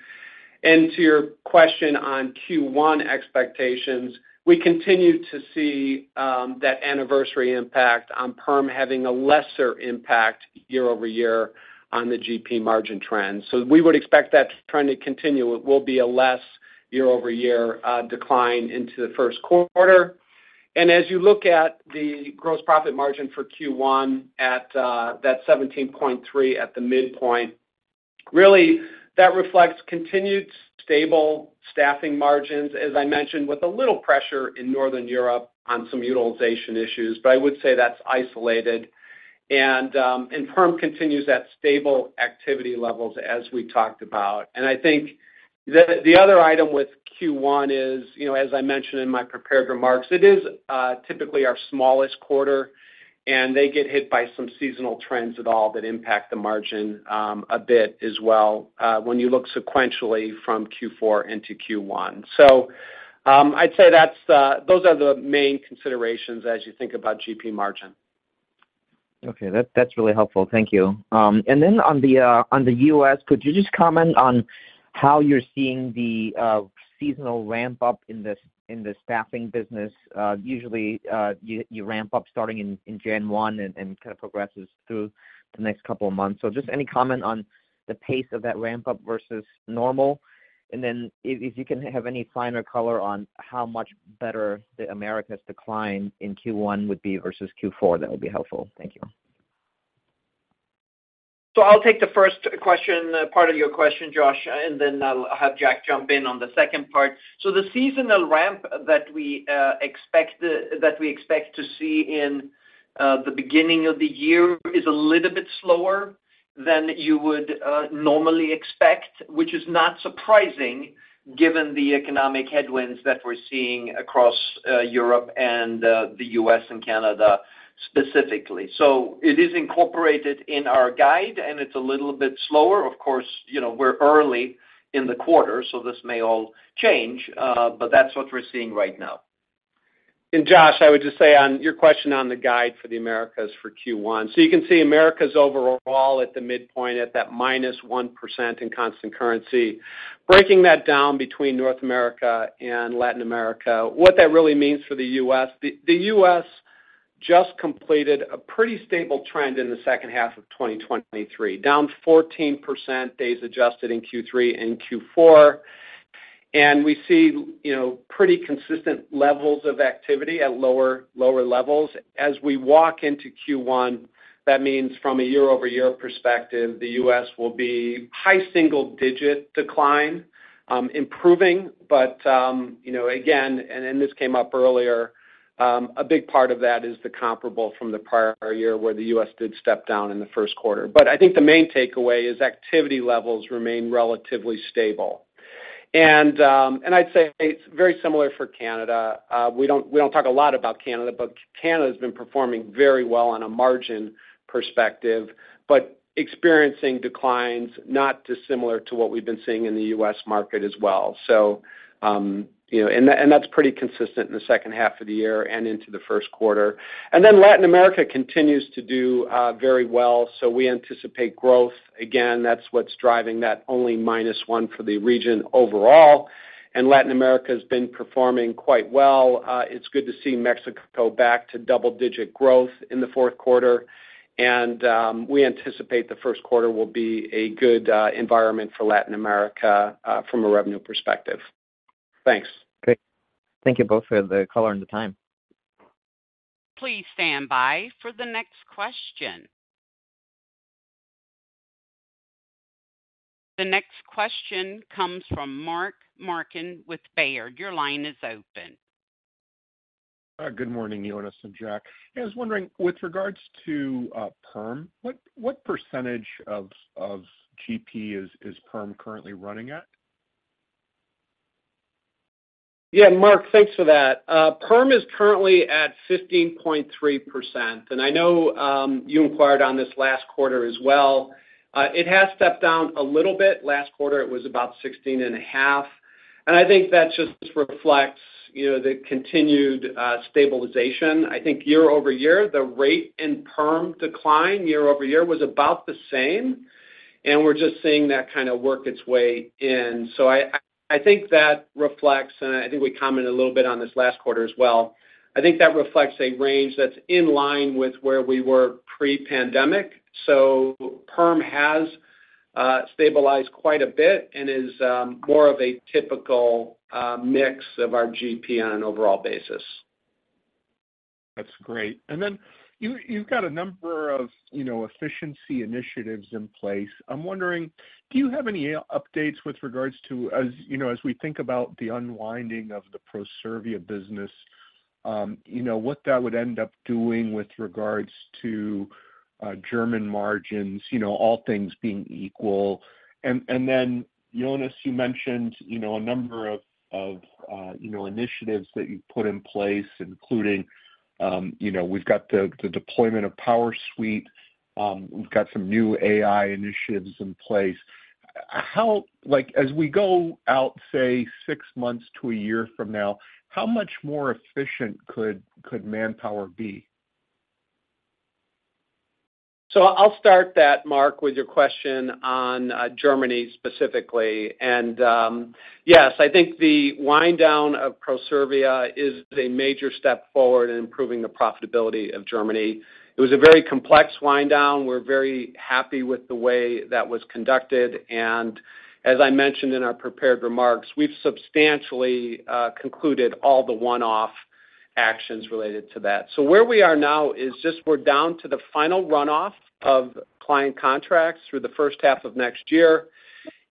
S3: To your question on Q1 expectations, we continue to see that anniversary impact on perm having a lesser impact year-over-year on the GP margin trend. So we would expect that trend to continue. It will be a less year-over-year decline into the Q1. As you look at the gross profit margin for Q1 at that 17.3 at the midpoint, really, that reflects continued stable staffing margins, as I mentioned, with a little pressure in Northern Europe on some utilization issues, but I would say that's isolated and perm continues at stable activity levels, as we talked about. I think the other item with Q1 is, you know, as I mentioned in my prepared remarks, it is typically our smallest quarter, and they get hit by some seasonal trends and all that impact the margin a bit as well, when you look sequentially from Q4 into Q1. So, I'd say those are the main considerations as you think about GP margin.
S6: Okay, that, that's really helpful. Thank you. Then on the, on the U.S., could you just comment on how you're seeing the seasonal ramp up in the, in the staffing business? Usually, you ramp up starting in January 1 and progresses through the next couple of months. So just any comment on the pace of that ramp up versus normal? Then if you can have any finer color on how much better the Americas decline in Q1 would be versus Q4, that would be helpful. Thank you.
S2: So I'll take the first question, part of your question, Josh, and then I'll have Jack jump in on the second part. So the seasonal ramp that we expect, that we expect to see in the beginning of the year is a little bit slower than you would normally expect, which is not surprising given the economic headwinds that we're seeing across Europe and the U.S. and Canada specifically. So it is incorporated in our guide, and it's a little bit slower. Of course, you know, we're early in the quarter, so this may all change, but that's what we're seeing right now.
S3: Josh, I would just say on your question on the guide for the Americas for Q1. So you can see Americas overall at the midpoint at that -1% in constant currency. Breaking that down between North America and Latin America, what that really means for the U.S., the U.S. just completed a pretty stable trend in the H2 of 2023, down 14% days adjusted in Q3 and Q4. We see, you know, pretty consistent levels of activity at lower, lower levels. As we walk into Q1, that means from a year-over-year perspective, the U.S. will be high single digit decline, improving, but, you know, again, this came up earlier, a big part of that is the comparable from the prior year, where the U.S. did step down in the Q1. I think the main takeaway is activity levels remain relatively stable. I'd say it's very similar for Canada. We don't talk a lot about Canada, but Canada has been performing very well on a margin perspective, but experiencing declines, not dissimilar to what we've been seeing in the US market as well. So, you know, that's pretty consistent in the H2 of the year and into the Q1. Then Latin America continues to do very well, so we anticipate growth. Again, that's what's driving that only -1% for the region overall. Latin America has been performing quite well. It's good to see Mexico back to double-digit growth in the Q4, and we anticipate the Q1 will be a good environment for Latin America from a revenue perspective. Thanks.
S6: Great. Thank you both for the color and the time.
S1: Please stand by for the next question. The next question comes from Mark Marcon with Baird. Your line is open.
S7: Good morning, Jonas and Jack. I was wondering, with regards to perm, what percentage of GP is perm currently running at?
S3: Yeah, Mark, thanks for that. Perm is currently at 15.3%, and I know you inquired on this last quarter as well. It has stepped down a little bit. Last quarter, it was about 16.5, and I think that just reflects, you know, the continued stabilization. I think year-over-year, the rate in perm decline year-over-year was about the same, and we're just seeing that work its way in. So I think that reflects, and I think we commented a little bit on this last quarter as well. I think that reflects a range that's in line with where we were pre-pandemic. So perm has stabilized quite a bit and is more of a typical mix of our GP on an overall basis.
S7: That's great. Then you, you've got a number of, you know, efficiency initiatives in place. I'm wondering, do you have any updates with regards to, as you know, as we think about the unwinding of the Proservia business? You know, what that would end up doing with regards to German margins, you know, all things being equal. Then Jonas, you mentioned, you know, a number of initiatives that you've put in place, including, you know, we've got the deployment of PowerSuite. We've got some new AI initiatives in place. As we go out, say, six months to a year from now, how much more efficient could Manpower be?
S3: So I'll start that, Mark, with your question on, Germany specifically. Yes, I think the wind down of Proservia is a major step forward in improving the profitability of Germany. It was a very complex wind down. We're very happy with the way that was conducted, and as I mentioned in our prepared remarks, we've substantially, concluded all the one-off actions related to that. So where we are now is just we're down to the final runoff of client contracts through the H1 of next year.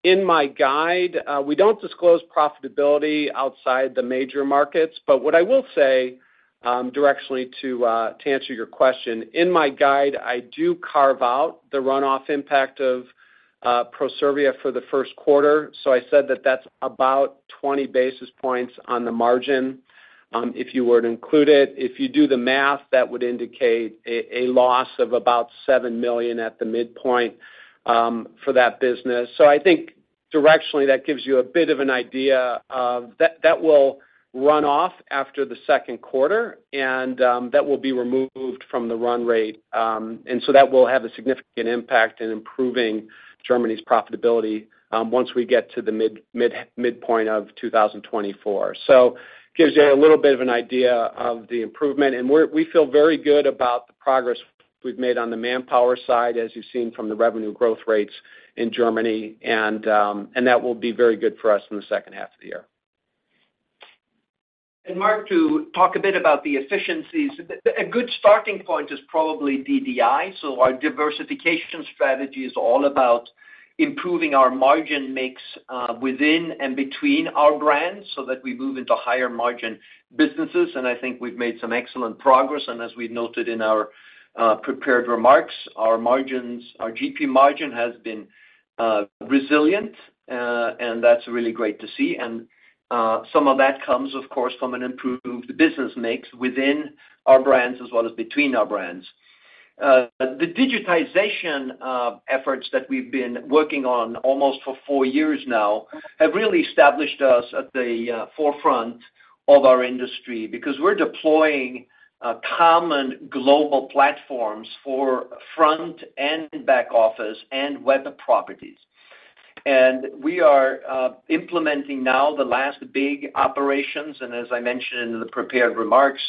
S3: In my guide, we don't disclose profitability outside the major markets, but what I will say, directionally to, to answer your question, in my guide, I do carve out the runoff impact of, Proservia for the Q1. So I said that that's about 20 basis points on the margin, if you were to include it. If you do the math, that would indicate a loss of about $7 million at the midpoint, for that business. So I think directionally, that gives you a bit of an idea of... That will run off after the Q2, and that will be removed from the run rate. So that will have a significant impact in improving Germany's profitability, once we get to the midpoint of 2024. Gives you a little bit of an idea of the improvement, and we feel very good about the progress we've made on the Manpower side, as you've seen from the revenue growth rates in Germany, and that will be very good for us in the H2 of the year.
S2: Mark, to talk a bit about the efficiencies, a good starting point is probably DDI. So our diversification strategy is all about improving our margin mix within and between our brands so that we move into higher margin businesses, and I think we've made some excellent progress. As we've noted in our prepared remarks, our margins, our GP margin has been resilient, and that's really great to see. Some of that comes, of course, from an improved business mix within our brands as well as between our brands. The digitization efforts that we've been working on almost for four years now have really established us at the forefront of our industry because we're deploying common global platforms for front and back office and web properties. We are implementing now the last big operations, and as I mentioned in the prepared remarks,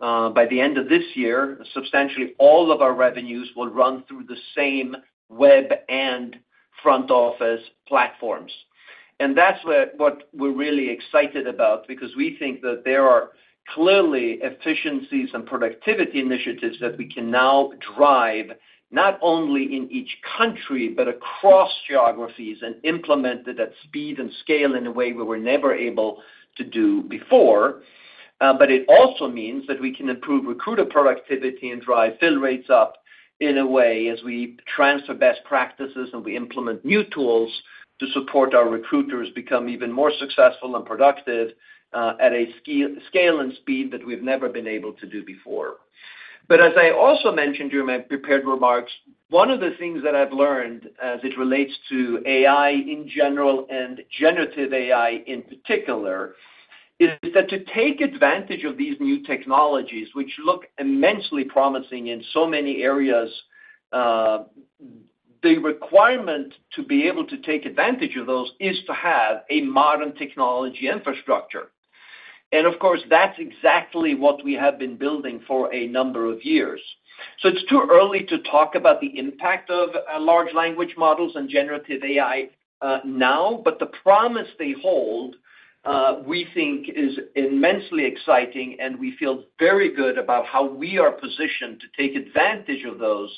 S2: by the end of this year, substantially all of our revenues will run through the same web and front office platforms. That's where what we're really excited about, because we think that there are clearly efficiencies and productivity initiatives that we can now drive, not only in each country, but across geographies and implement it at speed and scale in a way we were never able to do before. It also means that we can improve recruiter productivity and drive fill rates up in a way as we transfer best practices and we implement new tools to support our recruiters become even more successful and productive, at a scale and speed that we've never been able to do before. As I also mentioned during my prepared remarks, one of the things that I've learned as it relates to AI in general and generative AI in particular, is that to take advantage of these new technologies, which look immensely promising in so many areas, the requirement to be able to take advantage of those is to have a modern technology infrastructure. Of course, that's exactly what we have been building for a number of years. So it's too early to talk about the impact of large language models and generative AI now, but the promise they hold, we think is immensely exciting, and we feel very good about how we are positioned to take advantage of those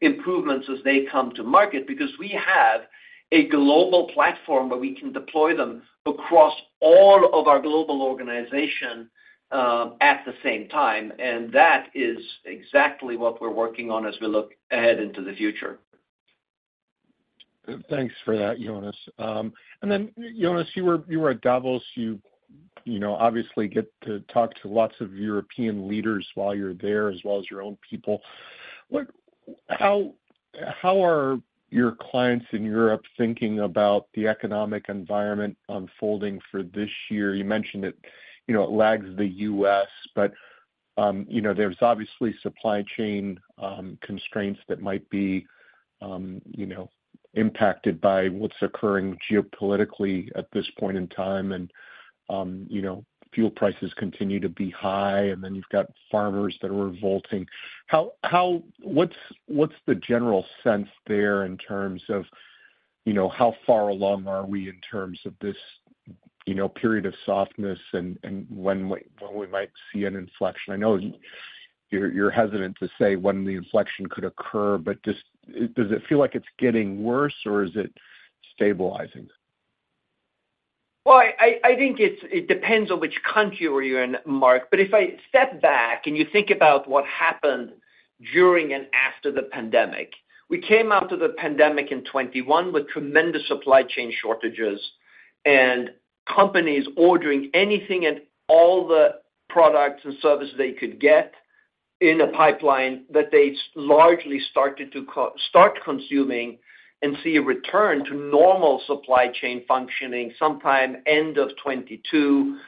S2: improvements as they come to market, because we have a global platform where we can deploy them across all of our global organization at the same time, and that is exactly what we're working on as we look ahead into the future.
S7: Thanks for that, Jonas. Then Jonas, you were at Davos. You know, obviously get to talk to lots of European leaders while you're there, as well as your own people. How are your clients in Europe thinking about the economic environment unfolding for this year? You mentioned it, you know, it lags the U.S., but you know, there's obviously supply chain constraints that might be you know, impacted by what's occurring geopolitically at this point in time, and you know, fuel prices continue to be high, and then you've got farmers that are revolting. What's the general sense there in terms of you know, how far along are we in terms of this you know, period of softness and when we might see an inflection? I know you're hesitant to say when the inflection could occur, but just, does it feel like it's getting worse or is it stabilizing?
S2: Well, I think it's, it depends on which country you're in, Mark. If I step back and you think about what happened during and after the pandemic, we came out of the pandemic in 2021 with tremendous supply chain shortages and companies ordering anything and all the products and services they could get in a pipeline that they largely started to start consuming and see a return to normal supply chain functioning sometime end of 2022.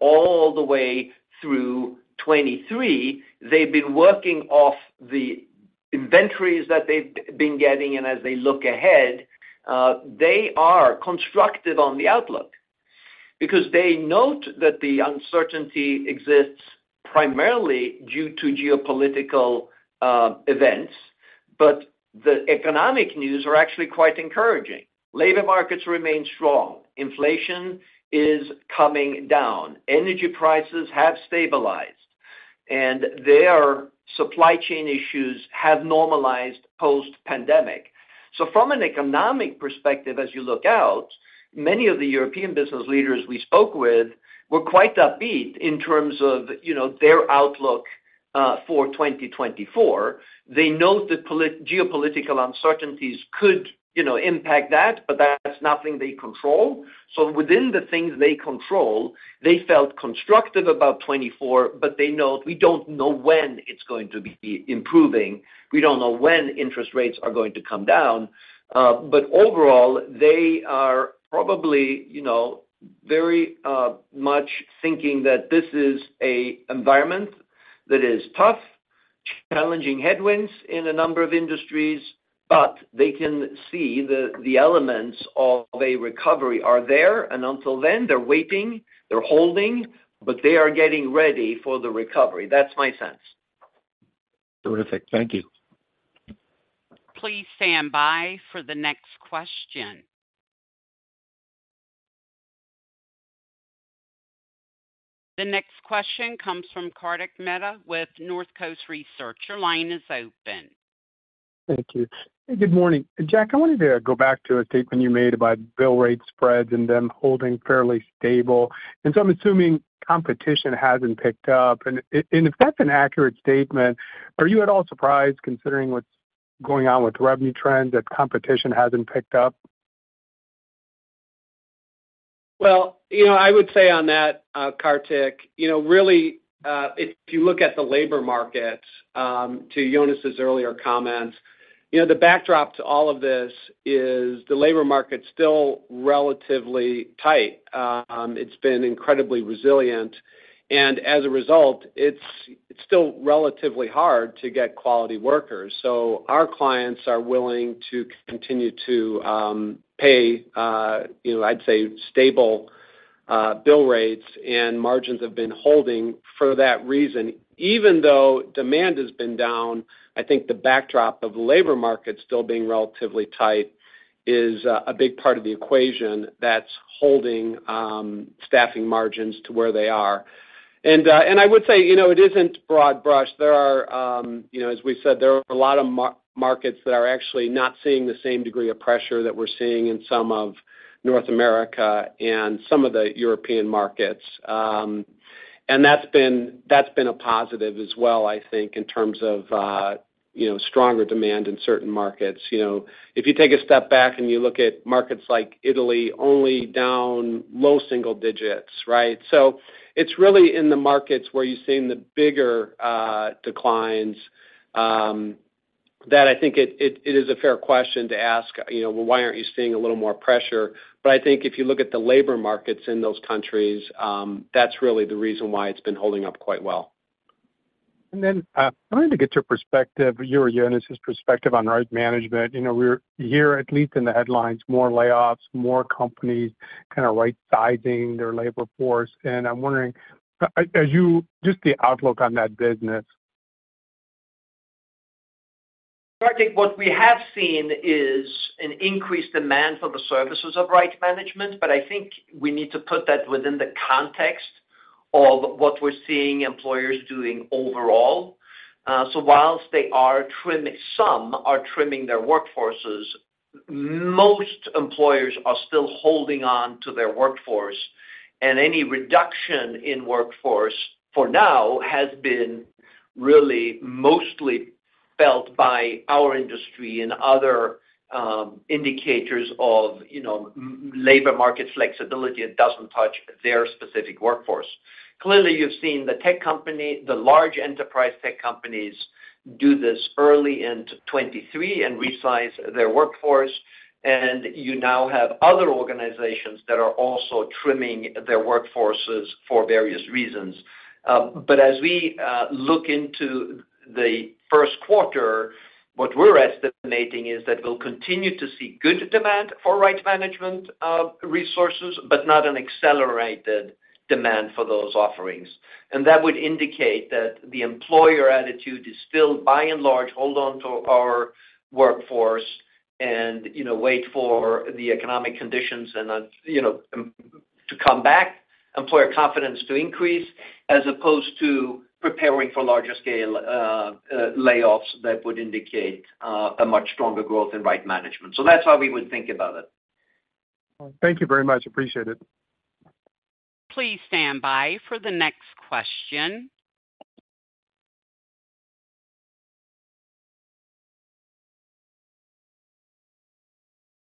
S2: All the way through 2023, they've been working off the inventories that they've been getting, and as they look ahead, they are constructive on the outlook. Because they note that the uncertainty exists primarily due to geopolitical events, but the economic news are actually quite encouraging. Labor markets remain strong, inflation is coming down, energy prices have stabilized, and their supply chain issues have normalized post-pandemic. So from an economic perspective, as you look out, many of the European business leaders we spoke with were quite upbeat in terms of, you know, their outlook for 2024. They note that geopolitical uncertainties could, you know, impact that, but that's nothing they control. So within the things they control, they felt constructive about 2024, but they know we don't know when it's going to be improving. We don't know when interest rates are going to come down, but overall, they are probably, you know, very much thinking that this is an environment that is tough, challenging headwinds in a number of industries, but they can see the elements of a recovery are there, and until then, they're waiting, they're holding, but they are getting ready for the recovery. That's my sense.
S7: Terrific. Thank you.
S1: Please stand by for the next question. The next question comes from Kartik Mehta with North Coast Research. Your line is open.
S8: Thank you. Good morning. Jack, I wanted to go back to a statement you made about bill rate spreads and them holding fairly stable. So I'm assuming competition hasn't picked up. If that's an accurate statement, are you at all surprised, considering what's going on with revenue trends, that competition hasn't picked up?
S3: Well, you know, I would say on that, Kartik, you know, really, if you look at the labor markets, to Jonas' earlier comments, you know, the backdrop to all of this is the labor market's still relatively tight. It's been incredibly resilient, and as a result, it's still relatively hard to get quality workers. So our clients are willing to continue to pay, you know, I'd say, stable, bill rates and margins have been holding for that reason. Even though demand has been down, I think the backdrop of labor markets still being relatively tight is a big part of the equation that's holding, staffing margins to where they are. I would say, you know, it isn't broad-brushed. There are, you know, as we said, there are a lot of markets that are actually not seeing the same degree of pressure that we're seeing in some of North America and some of the European markets. That's been, that's been a positive as well, I think, in terms of, you know, stronger demand in certain markets. You know, if you take a step back and you look at markets like Italy, only down low single digits, right? So it's really in the markets where you're seeing the bigger, declines, that I think it, it is a fair question to ask, you know, why aren't you seeing a little more pressure? I think if you look at the labor markets in those countries, that's really the reason why it's been holding up quite well.
S8: I wanted to get your perspective, your and Jonas's perspective on Right Management. You know, we're here, at least in the headlines, more layoffs, more companies kinda right-sizing their labor force. I'm wondering, as you, just the outlook on that business.
S2: Kartik, what we have seen is an increased demand for the services of Right Management, but I think we need to put that within the context of what we're seeing employers doing overall. Some are trimming their workforces, most employers are still holding on to their workforce, and any reduction in workforce, for now, has been really mostly felt by our industry and other indicators of, you know, labor market flexibility. It doesn't touch their specific workforce. Clearly, you've seen the tech company, the large enterprise tech companies do this early into 2023 and resize their workforce, and you now have other organizations that are also trimming their workforces for various reasons. As we look into the Q1, what we're estimating is that we'll continue to see good demand for Right Management resources, but not an accelerated demand for those offerings. That would indicate that the employer attitude is still, by and large, hold on to our workforce and, you know, wait for the economic conditions and, you know, to come back, employer confidence to increase, as opposed to preparing for larger scale layoffs that would indicate a much stronger growth in Right Management. So that's how we would think about it.
S8: Thank you very much. Appreciate it.
S1: Please stand by for the next question.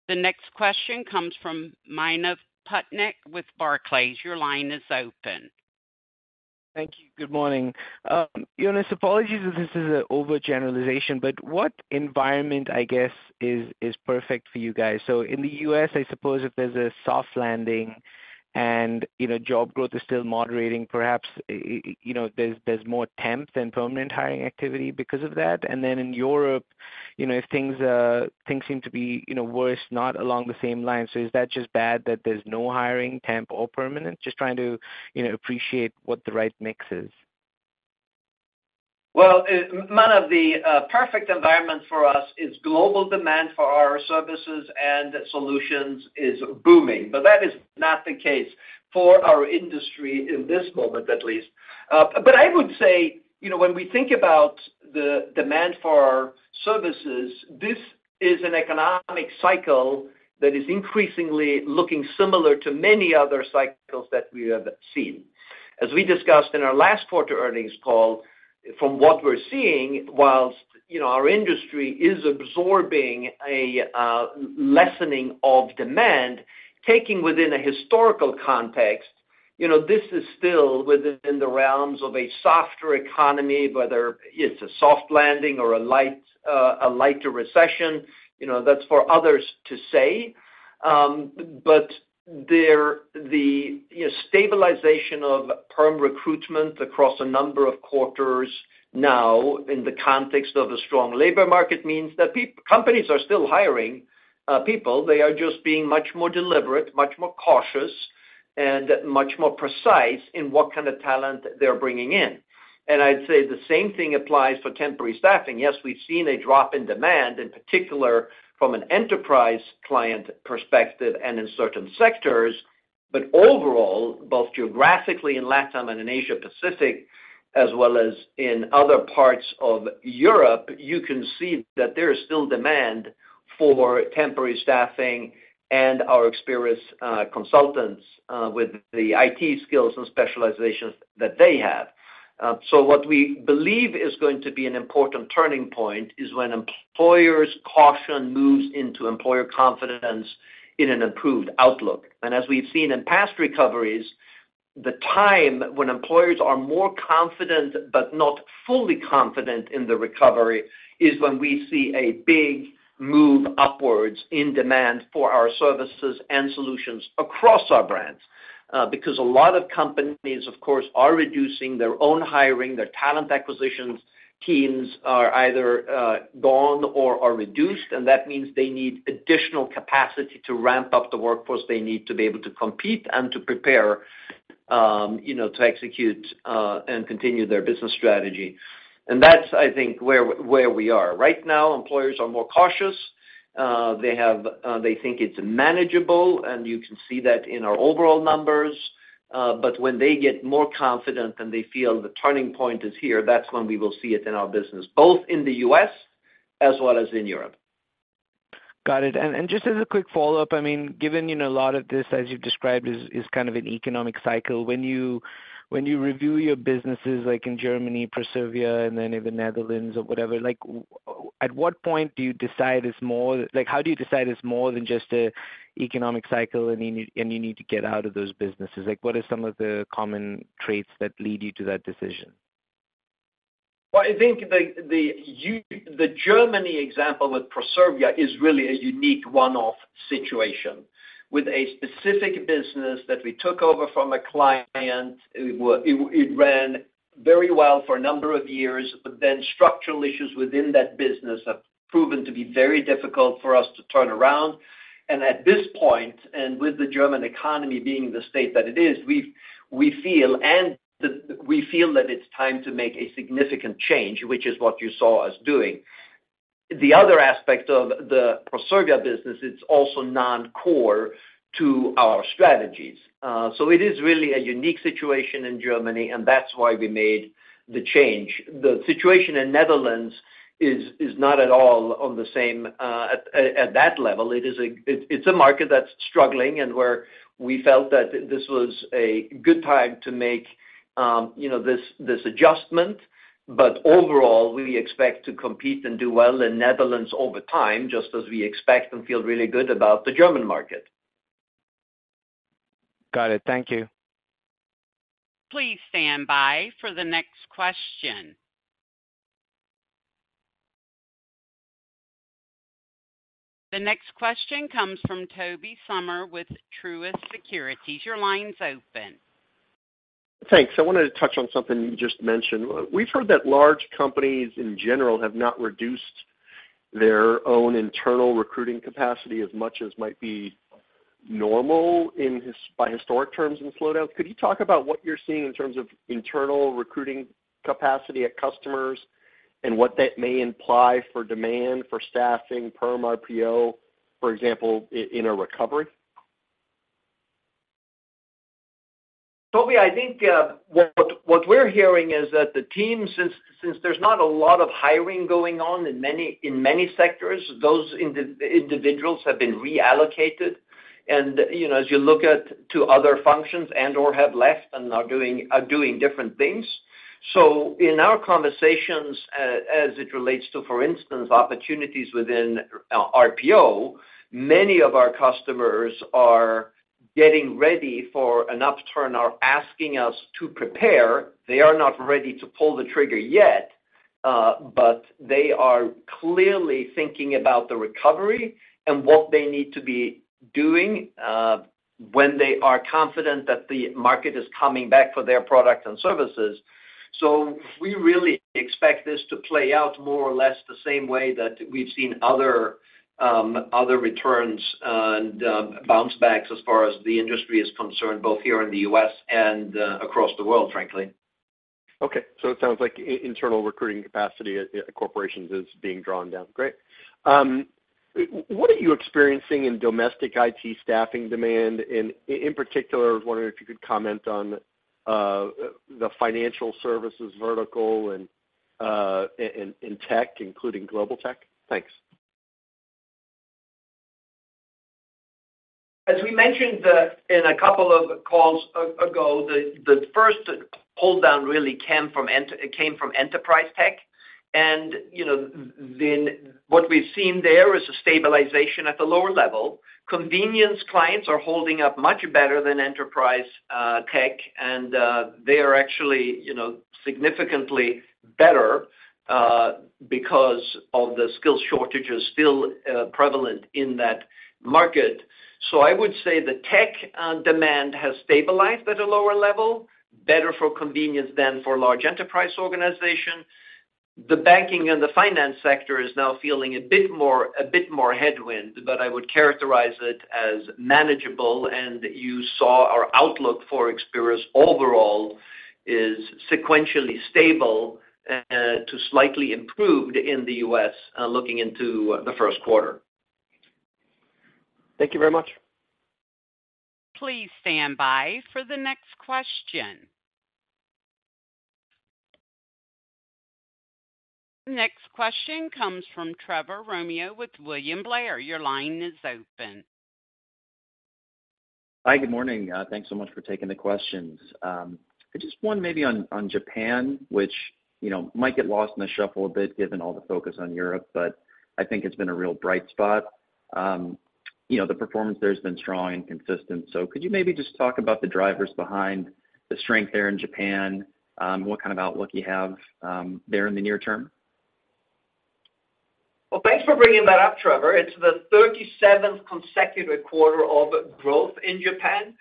S1: The next question comes from Manav Patnaik with Barclays. Your line is open.
S9: Thank you. Good morning. Jonas, apologies if this is an overgeneralization, but what environment, I guess, is perfect for you guys? So in the U.S., I suppose if there's a soft landing and, you know, job growth is still moderating, perhaps, you know, there's more temp than permanent hiring activity because of that. Then in Europe, you know, if things seem to be, you know, worse, not along the same lines. So is that just bad that there's no hiring temp or permanent? Just trying to, you know, appreciate what the right mix is.
S2: Manav, the perfect environment for us is global demand for our services and solutions is booming, but that is not the case for our industry in this moment, at least. I would say, you know, when we think about the demand for our services, this is an economic cycle that is increasingly looking similar to many other cycles that we have seen. As we discussed in our last quarter earnings call, from what we're seeing, while, you know, our industry is absorbing a lessening of demand, taking within a historical context, you know, this is still within the realms of a softer economy, whether it's a soft landing or a light, a lighter recession, you know, that's for others to say. The stabilization of perm recruitment across a number of quarters now, in the context of a strong labor market, means that companies are still hiring people. They are just being much more deliberate, much more cautious, and much more precise in what talent they're bringing in. I'd say the same thing applies for temporary staffing. Yes, we've seen a drop in demand, in particular, from an enterprise client perspective and in certain sectors, but overall, both geographically in LATAM and in Asia Pacific, as well as in other parts of Europe, you can see that there is still demand for temporary staffing and our experienced consultants with the IT skills and specializations that they have. What we believe is going to be an important turning point is when employers' caution moves into employer confidence in an improved outlook. As we've seen in past recoveries, the time when employers are more confident but not fully confident in the recovery, is when we see a big move upwards in demand for our services and solutions across our brands. Because a lot of companies, of course, are reducing their own hiring. Their talent acquisitions teams are either, gone or are reduced, and that means they need additional capacity to ramp up the workforce they need to be able to compete and to prepare, you know, to execute, and continue their business strategy. That's, I think, where we are. Right now, employers are more cautious. They have, they think it's manageable, and you can see that in our overall numbers. When they get more confident, and they feel the turning point is here, that's when we will see it in our business, both in the U.S. as well as in Europe.
S9: Got it. Just as a quick follow-up, I mean, given, you know, a lot of this, as you've described, is an economic cycle. When you review your businesses, like in Germany, Proservia, and then in the Netherlands or whatever, like, at what point do you decide it's more, like, how do you decide it's more than just a economic cycle and you need to get out of those businesses? Like, what are some of the common traits that lead you to that decision?
S2: Well, I think the Germany example with Proservia is really a unique one-off situation with a specific business that we took over from a client. It ran very well for a number of years, but then structural issues within that business have proven to be very difficult for us to turn around. At this point, and with the German economy being the state that it is, we feel that it's time to make a significant change, which is what you saw us doing. The other aspect of the Proservia business, it's also non-core to our strategies. So it is really a unique situation in Germany, and that's why we made the change. The situation in Netherlands is not at all on the same at that level. It is a... It's a market that's struggling and where we felt that this was a good time to make, you know, this, this adjustment. Overall, we expect to compete and do well in Netherlands over time, just as we expect and feel really good about the German market.
S9: Got it. Thank you.
S1: Please stand by for the next question. The next question comes from Toby Sommer with Truist Securities. Your line's open.
S10: Thanks. I wanted to touch on something you just mentioned. We've heard that large companies, in general, have not reduced their own internal recruiting capacity as much as might be normal in this by historic terms in slowdown. Could you talk about what you're seeing in terms of internal recruiting capacity at customers and what that may imply for demand for staffing, perm, RPO, for example, in a recovery?
S2: Toby, I think what we're hearing is that the team, since there's not a lot of hiring going on in many sectors, those individuals have been reallocated. You know, as you look at to other functions and/or have left and are doing different things. So in our conversations, as it relates to, for instance, opportunities within RPO, many of our customers are getting ready for an upturn or asking us to prepare. They are not ready to pull the trigger yet, but they are clearly thinking about the recovery and what they need to be doing when they are confident that the market is coming back for their products and services. We really expect this to play out more or less the same way that we've seen other returns and bounce backs as far as the industry is concerned, both here in the U.S. and across the world, frankly.
S10: Okay. So it sounds like internal recruiting capacity at corporations is being drawn down. Great. What are you experiencing in domestic IT staffing demand? In particular, I was wondering if you could comment on the financial services vertical and in tech, including global tech? Thanks.
S2: As we mentioned in a couple of calls ago, the first slowdown really came from enterprise tech. You know, then what we've seen there is a stabilization at the lower level. Contingent clients are holding up much better than enterprise tech, and they are actually, you know, significantly better because of the skill shortages still prevalent in that market. So I would say the tech demand has stabilized at a lower level, better for contingent than for large enterprise organizations. The banking and the finance sector is now feeling a bit more, a bit more headwind, but I would characterize it as manageable, and you saw our outlook for Experis overall is sequentially stable to slightly improved in the U.S. looking into the Q1.
S10: Thank you very much.
S1: Please stand by for the next question. The next question comes from Trevor Romeo with William Blair. Your line is open.
S11: Hi, good morning. Thanks so much for taking the questions. Just one maybe on Japan, which, you know, might get lost in the shuffle a bit given all the focus on Europe, but I think it's been a real bright spot. You know, the performance there has been strong and consistent. So could you maybe just talk about the drivers behind the strength there in Japan? What outlook you have there in the near term?
S2: Well, thanks for bringing that up, Trevor. It's the 37th consecutive quarter of growth in Japan.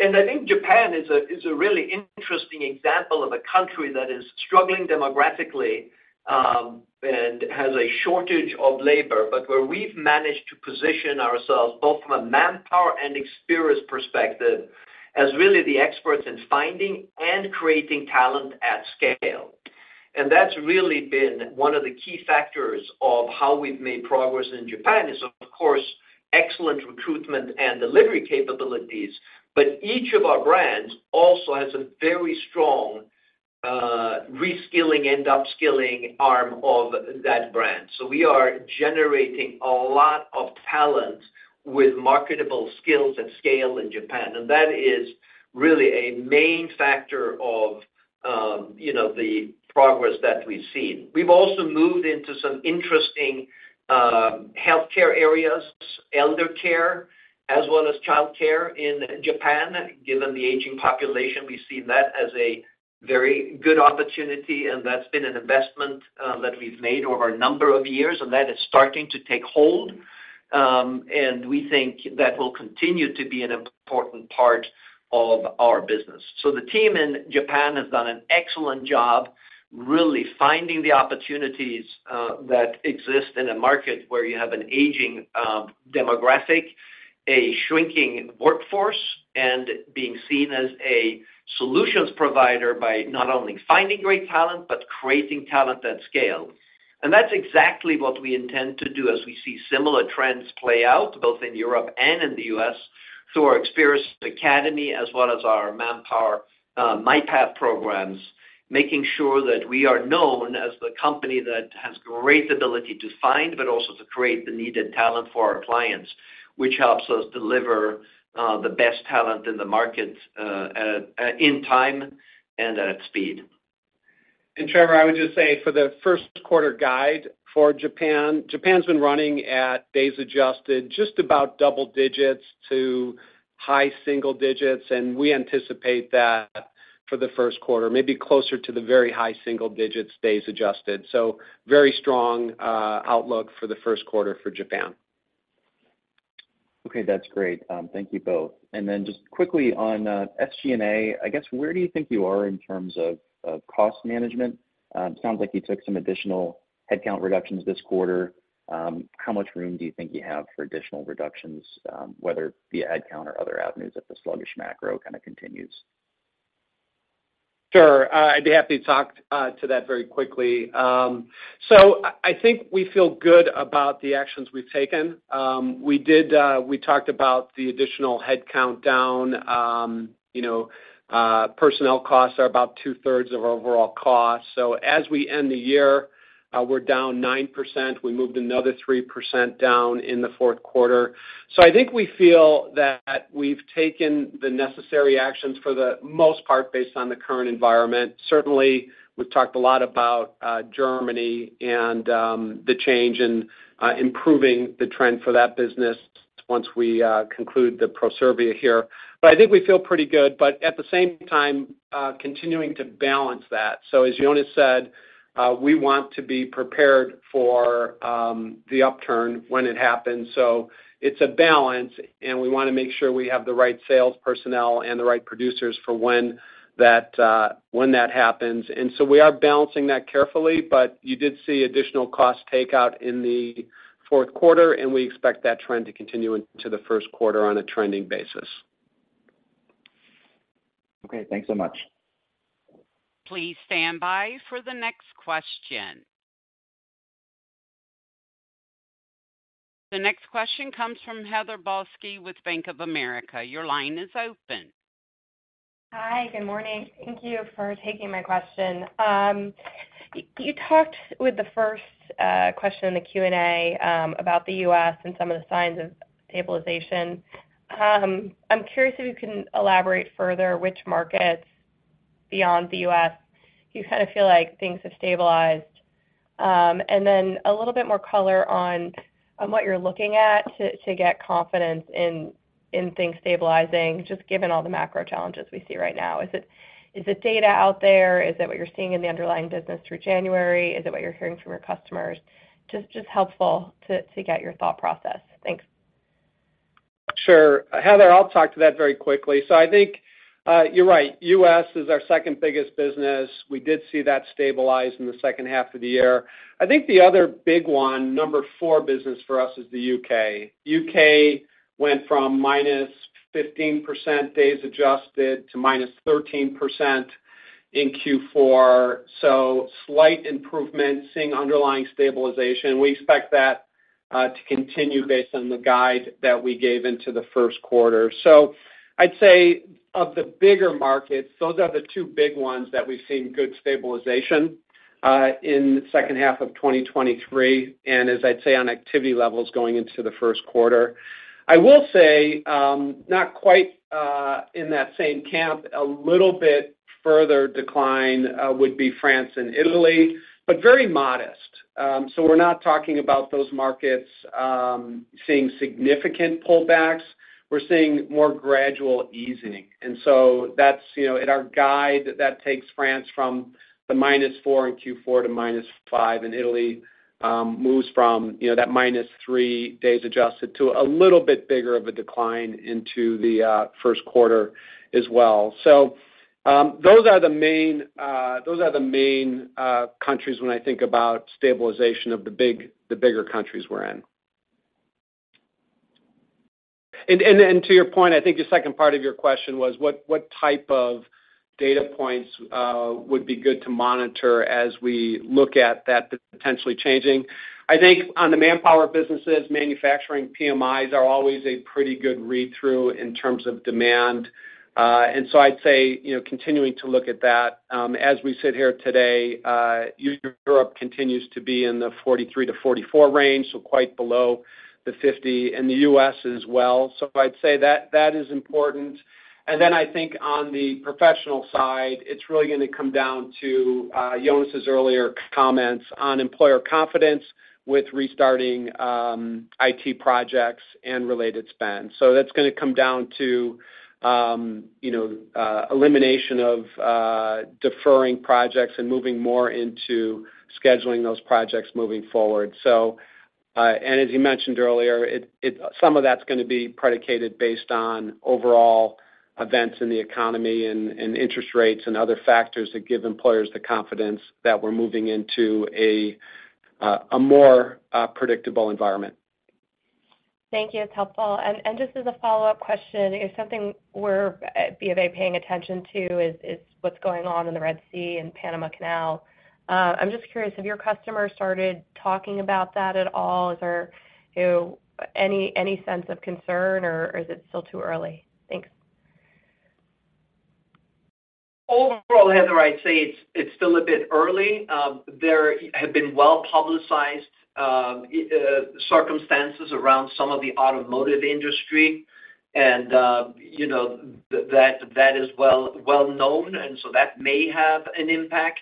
S2: I think Japan is a really interesting example of a country that is struggling demographically, and has a shortage of labor, but where we've managed to position ourselves, both from a Manpower and Experis perspective, as really the experts in finding and creating talent at scale. That's really been one of the key factors of how we've made progress in Japan is, of course, excellent recruitment and delivery capabilities, but each of our brands also has a very strong, reskilling and upskilling arm of that brand. So we are generating a lot of talent with marketable skills and scale in Japan, and that is really a main factor of, you know, the progress that we've seen. We've also moved into some interesting, healthcare areas, elder care, as well as childcare in Japan. Given the aging population, we see that as a very good opportunity, and that's been an investment, that we've made over a number of years, and that is starting to take hold. We think that will continue to be an important part of our business. So the team in Japan has done an excellent job, really finding the opportunities, that exist in a market where you have an aging, demographic, a shrinking workforce, and being seen as a solutions provider by not only finding great talent, but creating talent at scale. That's exactly what we intend to do as we see similar trends play out, both in Europe and in the U.S., through our Experis Academy, as well as our Manpower MyPath programs, making sure that we are known as the company that has great ability to find, but also to create the needed talent for our clients, which helps us deliver the best talent in the market, in time and at speed.
S3: Trevor, I would just say for the Q1 guide for Japan, Japan's been running at days adjusted, just about double digits to high single digits, and we anticipate that for the Q1, maybe closer to the very high single digits, days adjusted. So very strong outlook for the Q1 for Japan.
S11: Okay, that's great. Thank you both. Then just quickly on SG&A, I guess, where do you think you are in terms of cost management? It sounds like you took some additional headcount reductions this quarter. How much room do you think you have for additional reductions, whether via headcount or other avenues, if the sluggish macro continues?
S3: Sure, I'd be happy to talk to that very quickly. So I think we feel good about the actions we've taken. We did, we talked about the additional headcount down. You know, personnel costs are about two-thirds of our overall costs. So as we end the year, we're down 9%. We moved another 3% down in the Q4. So I think we feel that we've taken the necessary actions for the most part, based on the current environment. Certainly, we've talked a lot about Germany and the change in improving the trend for that business once we conclude the Proservia here. I think we feel pretty good, but at the same time, continuing to balance that. So as Jonas said, we want to be prepared for the upturn when it happens. So it's a balance, and we want to make sure we have the right sales personnel and the right producers for when that happens. So we are balancing that carefully, but you did see additional cost takeout in the Q4, and we expect that trend to continue into the Q1 on a trending basis.
S11: Okay, thanks so much.
S1: Please stand by for the next question. The next question comes from Heather Balsky with Bank of America. Your line is open.
S12: Hi, good morning. Thank you for taking my question. You talked with the first question in the Q&A about the U.S. and some of the signs of stabilization. I'm curious if you can elaborate further which markets beyond the U.S., you feel like things have stabilized? Then a little bit more color on what you're looking at to get confidence in things stabilizing, just given all the macro challenges we see right now. Is it data out there? Is it what you're seeing in the underlying business through January? Is it what you're hearing from your customers? Just helpful to get your thought process. Thanks.
S3: Sure. Heather, I'll talk to that very quickly. So I think, you're right, U.S. is our second biggest business. We did see that stabilize in the H2 of the year. I think the other big one, number 4 business for us is the U.K. U.K. went from -15% days adjusted to -13% in Q4, so slight improvement, seeing underlying stabilization. We expect that, to continue based on the guide that we gave into the Q1. So I'd say of the bigger markets, those are the two big ones that we've seen good stabilization, in the H2 of 2023, and as I'd say, on activity levels going into the Q1. I will say, not quite, in that same camp, a little bit further decline, would be France and Italy, but very modest. So we're not talking about those markets seeing significant pullbacks. We're seeing more gradual easing. So that's, you know, in our guide, that takes France from the -4 in Q4 to -5, and Italy moves from, you know, that -3 days adjusted to a little bit bigger of a decline into the Q1 as well. So those are the main countries when I think about stabilization of the big, the bigger countries we're in. To your point, I think the second part of your question was what type of data points would be good to monitor as we look at that potentially changing? I think on the Manpower businesses, manufacturing PMIs are always a pretty good read-through in terms of demand. So I'd say, you know, continuing to look at that, as we sit here today, Europe continues to be in the 43-44 range, so quite below the 50, and the U.S. as well. So I'd say that is important. Then I think on the professional side, it's really going to come down to Jonas' earlier comments on employer confidence with restarting IT projects and related spend. So that's going to come down to, you know, elimination of deferring projects and moving more into scheduling those projects moving forward. As you mentioned earlier, some of that's going to be predicated based on overall events in the economy and interest rates and other factors that give employers the confidence that we're moving into a more predictable environment.
S12: Thank you. It's helpful. Just as a follow-up question, something we're at BofA paying attention to is what's going on in the Red Sea and Panama Canal. I'm just curious, have your customers started talking about that at all? Is there, you know, any sense of concern, or is it still too early? Thanks.
S3: Overall, Heather, I'd say it's still a bit early. There have been well-publicized circumstances around some of the automotive industry, and you know, that is well known, and so that may have an impact.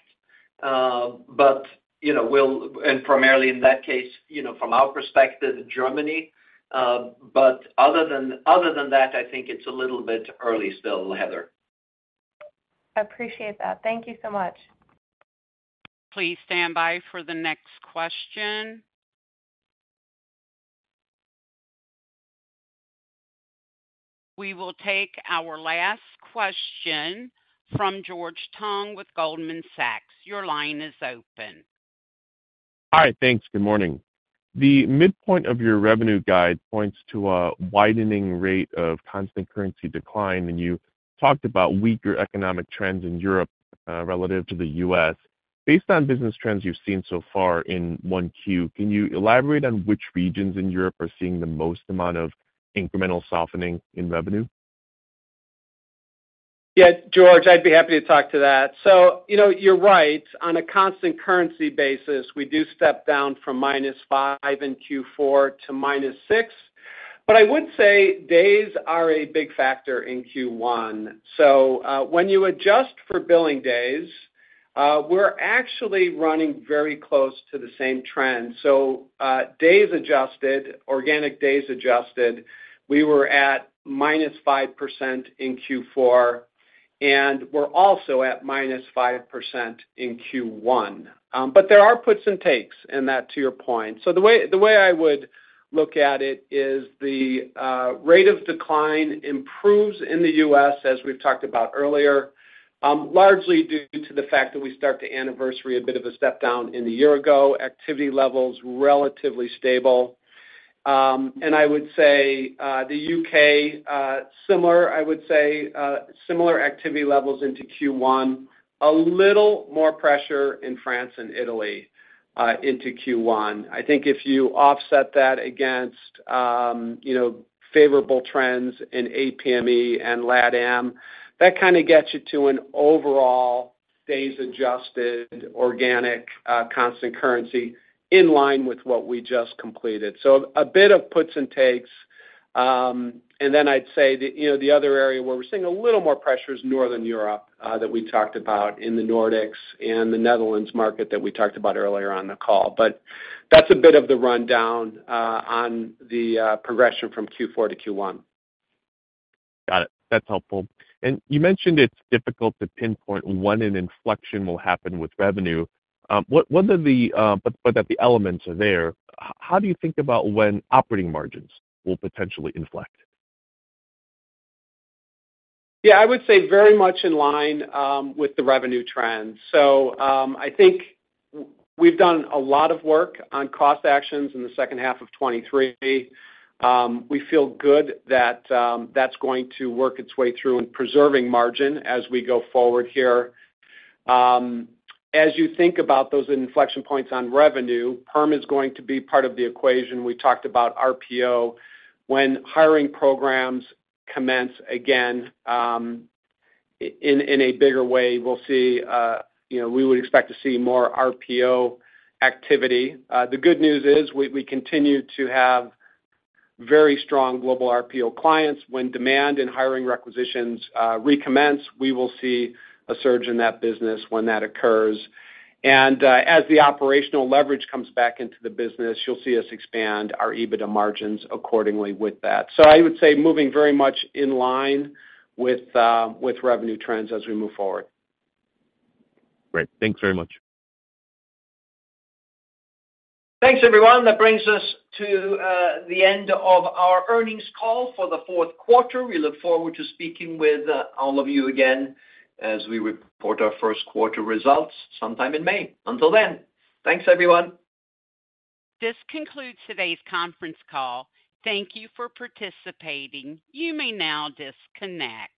S3: You know, and primarily in that case, you know, from our perspective, Germany. Other than that, I think it's a little bit early still, Heather.
S12: I appreciate that. Thank you so much.
S1: Please stand by for the next question. We will take our last question from George Tong with Goldman Sachs. Your line is open.
S13: Hi, thanks. Good morning. The midpoint of your revenue guide points to a widening rate of constant currency decline, and you talked about weaker economic trends in Europe relative to the U.S. Based on business trends you've seen so far in Q1, can you elaborate on which regions in Europe are seeing the most amount of incremental softening in revenue?
S3: Yeah, George, I'd be happy to talk to that. So you know, you're right. On a constant currency basis, we do step down from -5 in Q4 to -6, but I would say days are a big factor in Q1. So, when you adjust for billing days, we're actually running very close to the same trend. So, days adjusted, organic days adjusted, we were at -5% in Q4, and we're also at -5% in Q1. There are puts and takes in that, to your point. So the way, the way I would look at it is the rate of decline improves in the U.S., as we've talked about earlier, largely due to the fact that we start to anniversary a bit of a step down in the year ago, activity levels, relatively stable. I would say, the UK, similar, I would say, similar activity levels into Q1, a little more pressure in France and Italy, into Q1. I think if you offset that against, you know, favorable trends in APME and LATAM, that gets you to an overall days adjusted organic, constant currency, in line with what we just completed. So a bit of puts and takes. Then I'd say that, you know, the other area where we're seeing a little more pressure is Northern Europe, that we talked about in the Nordics and the Netherlands market that we talked about earlier on the call. That's a bit of the rundown, on the, progression from Q4 to Q1.
S13: Got it. That's helpful. You mentioned it's difficult to pinpoint when an inflection will happen with revenue. That the elements are there. How do you think about when operating margins will potentially inflect?
S3: Yeah, I would say very much in line with the revenue trends. So, I think we've done a lot of work on cost actions in the H2 of 2023. We feel good that that's going to work its way through in preserving margin as we go forward here. As you think about those inflection points on revenue, perm is going to be part of the equation. We talked about RPO. When hiring programs commence, again, in a bigger way, we'll see, you know, we would expect to see more RPO activity. The good news is we continue to have very strong global RPO clients. When demand and hiring requisitions recommence, we will see a surge in that business when that occurs. As the operational leverage comes back into the business, you'll see us expand our EBITDA margins accordingly with that. So I would say moving very much in line with revenue trends as we move forward.
S13: Great. Thanks very much.
S3: Thanks, everyone. That brings us to the end of our earnings call for the Q4. We look forward to speaking with all of you again, as we report our Q1 results sometime in May. Until then, thanks, everyone.
S1: This concludes today's conference call. Thank you for participating. You may now disconnect.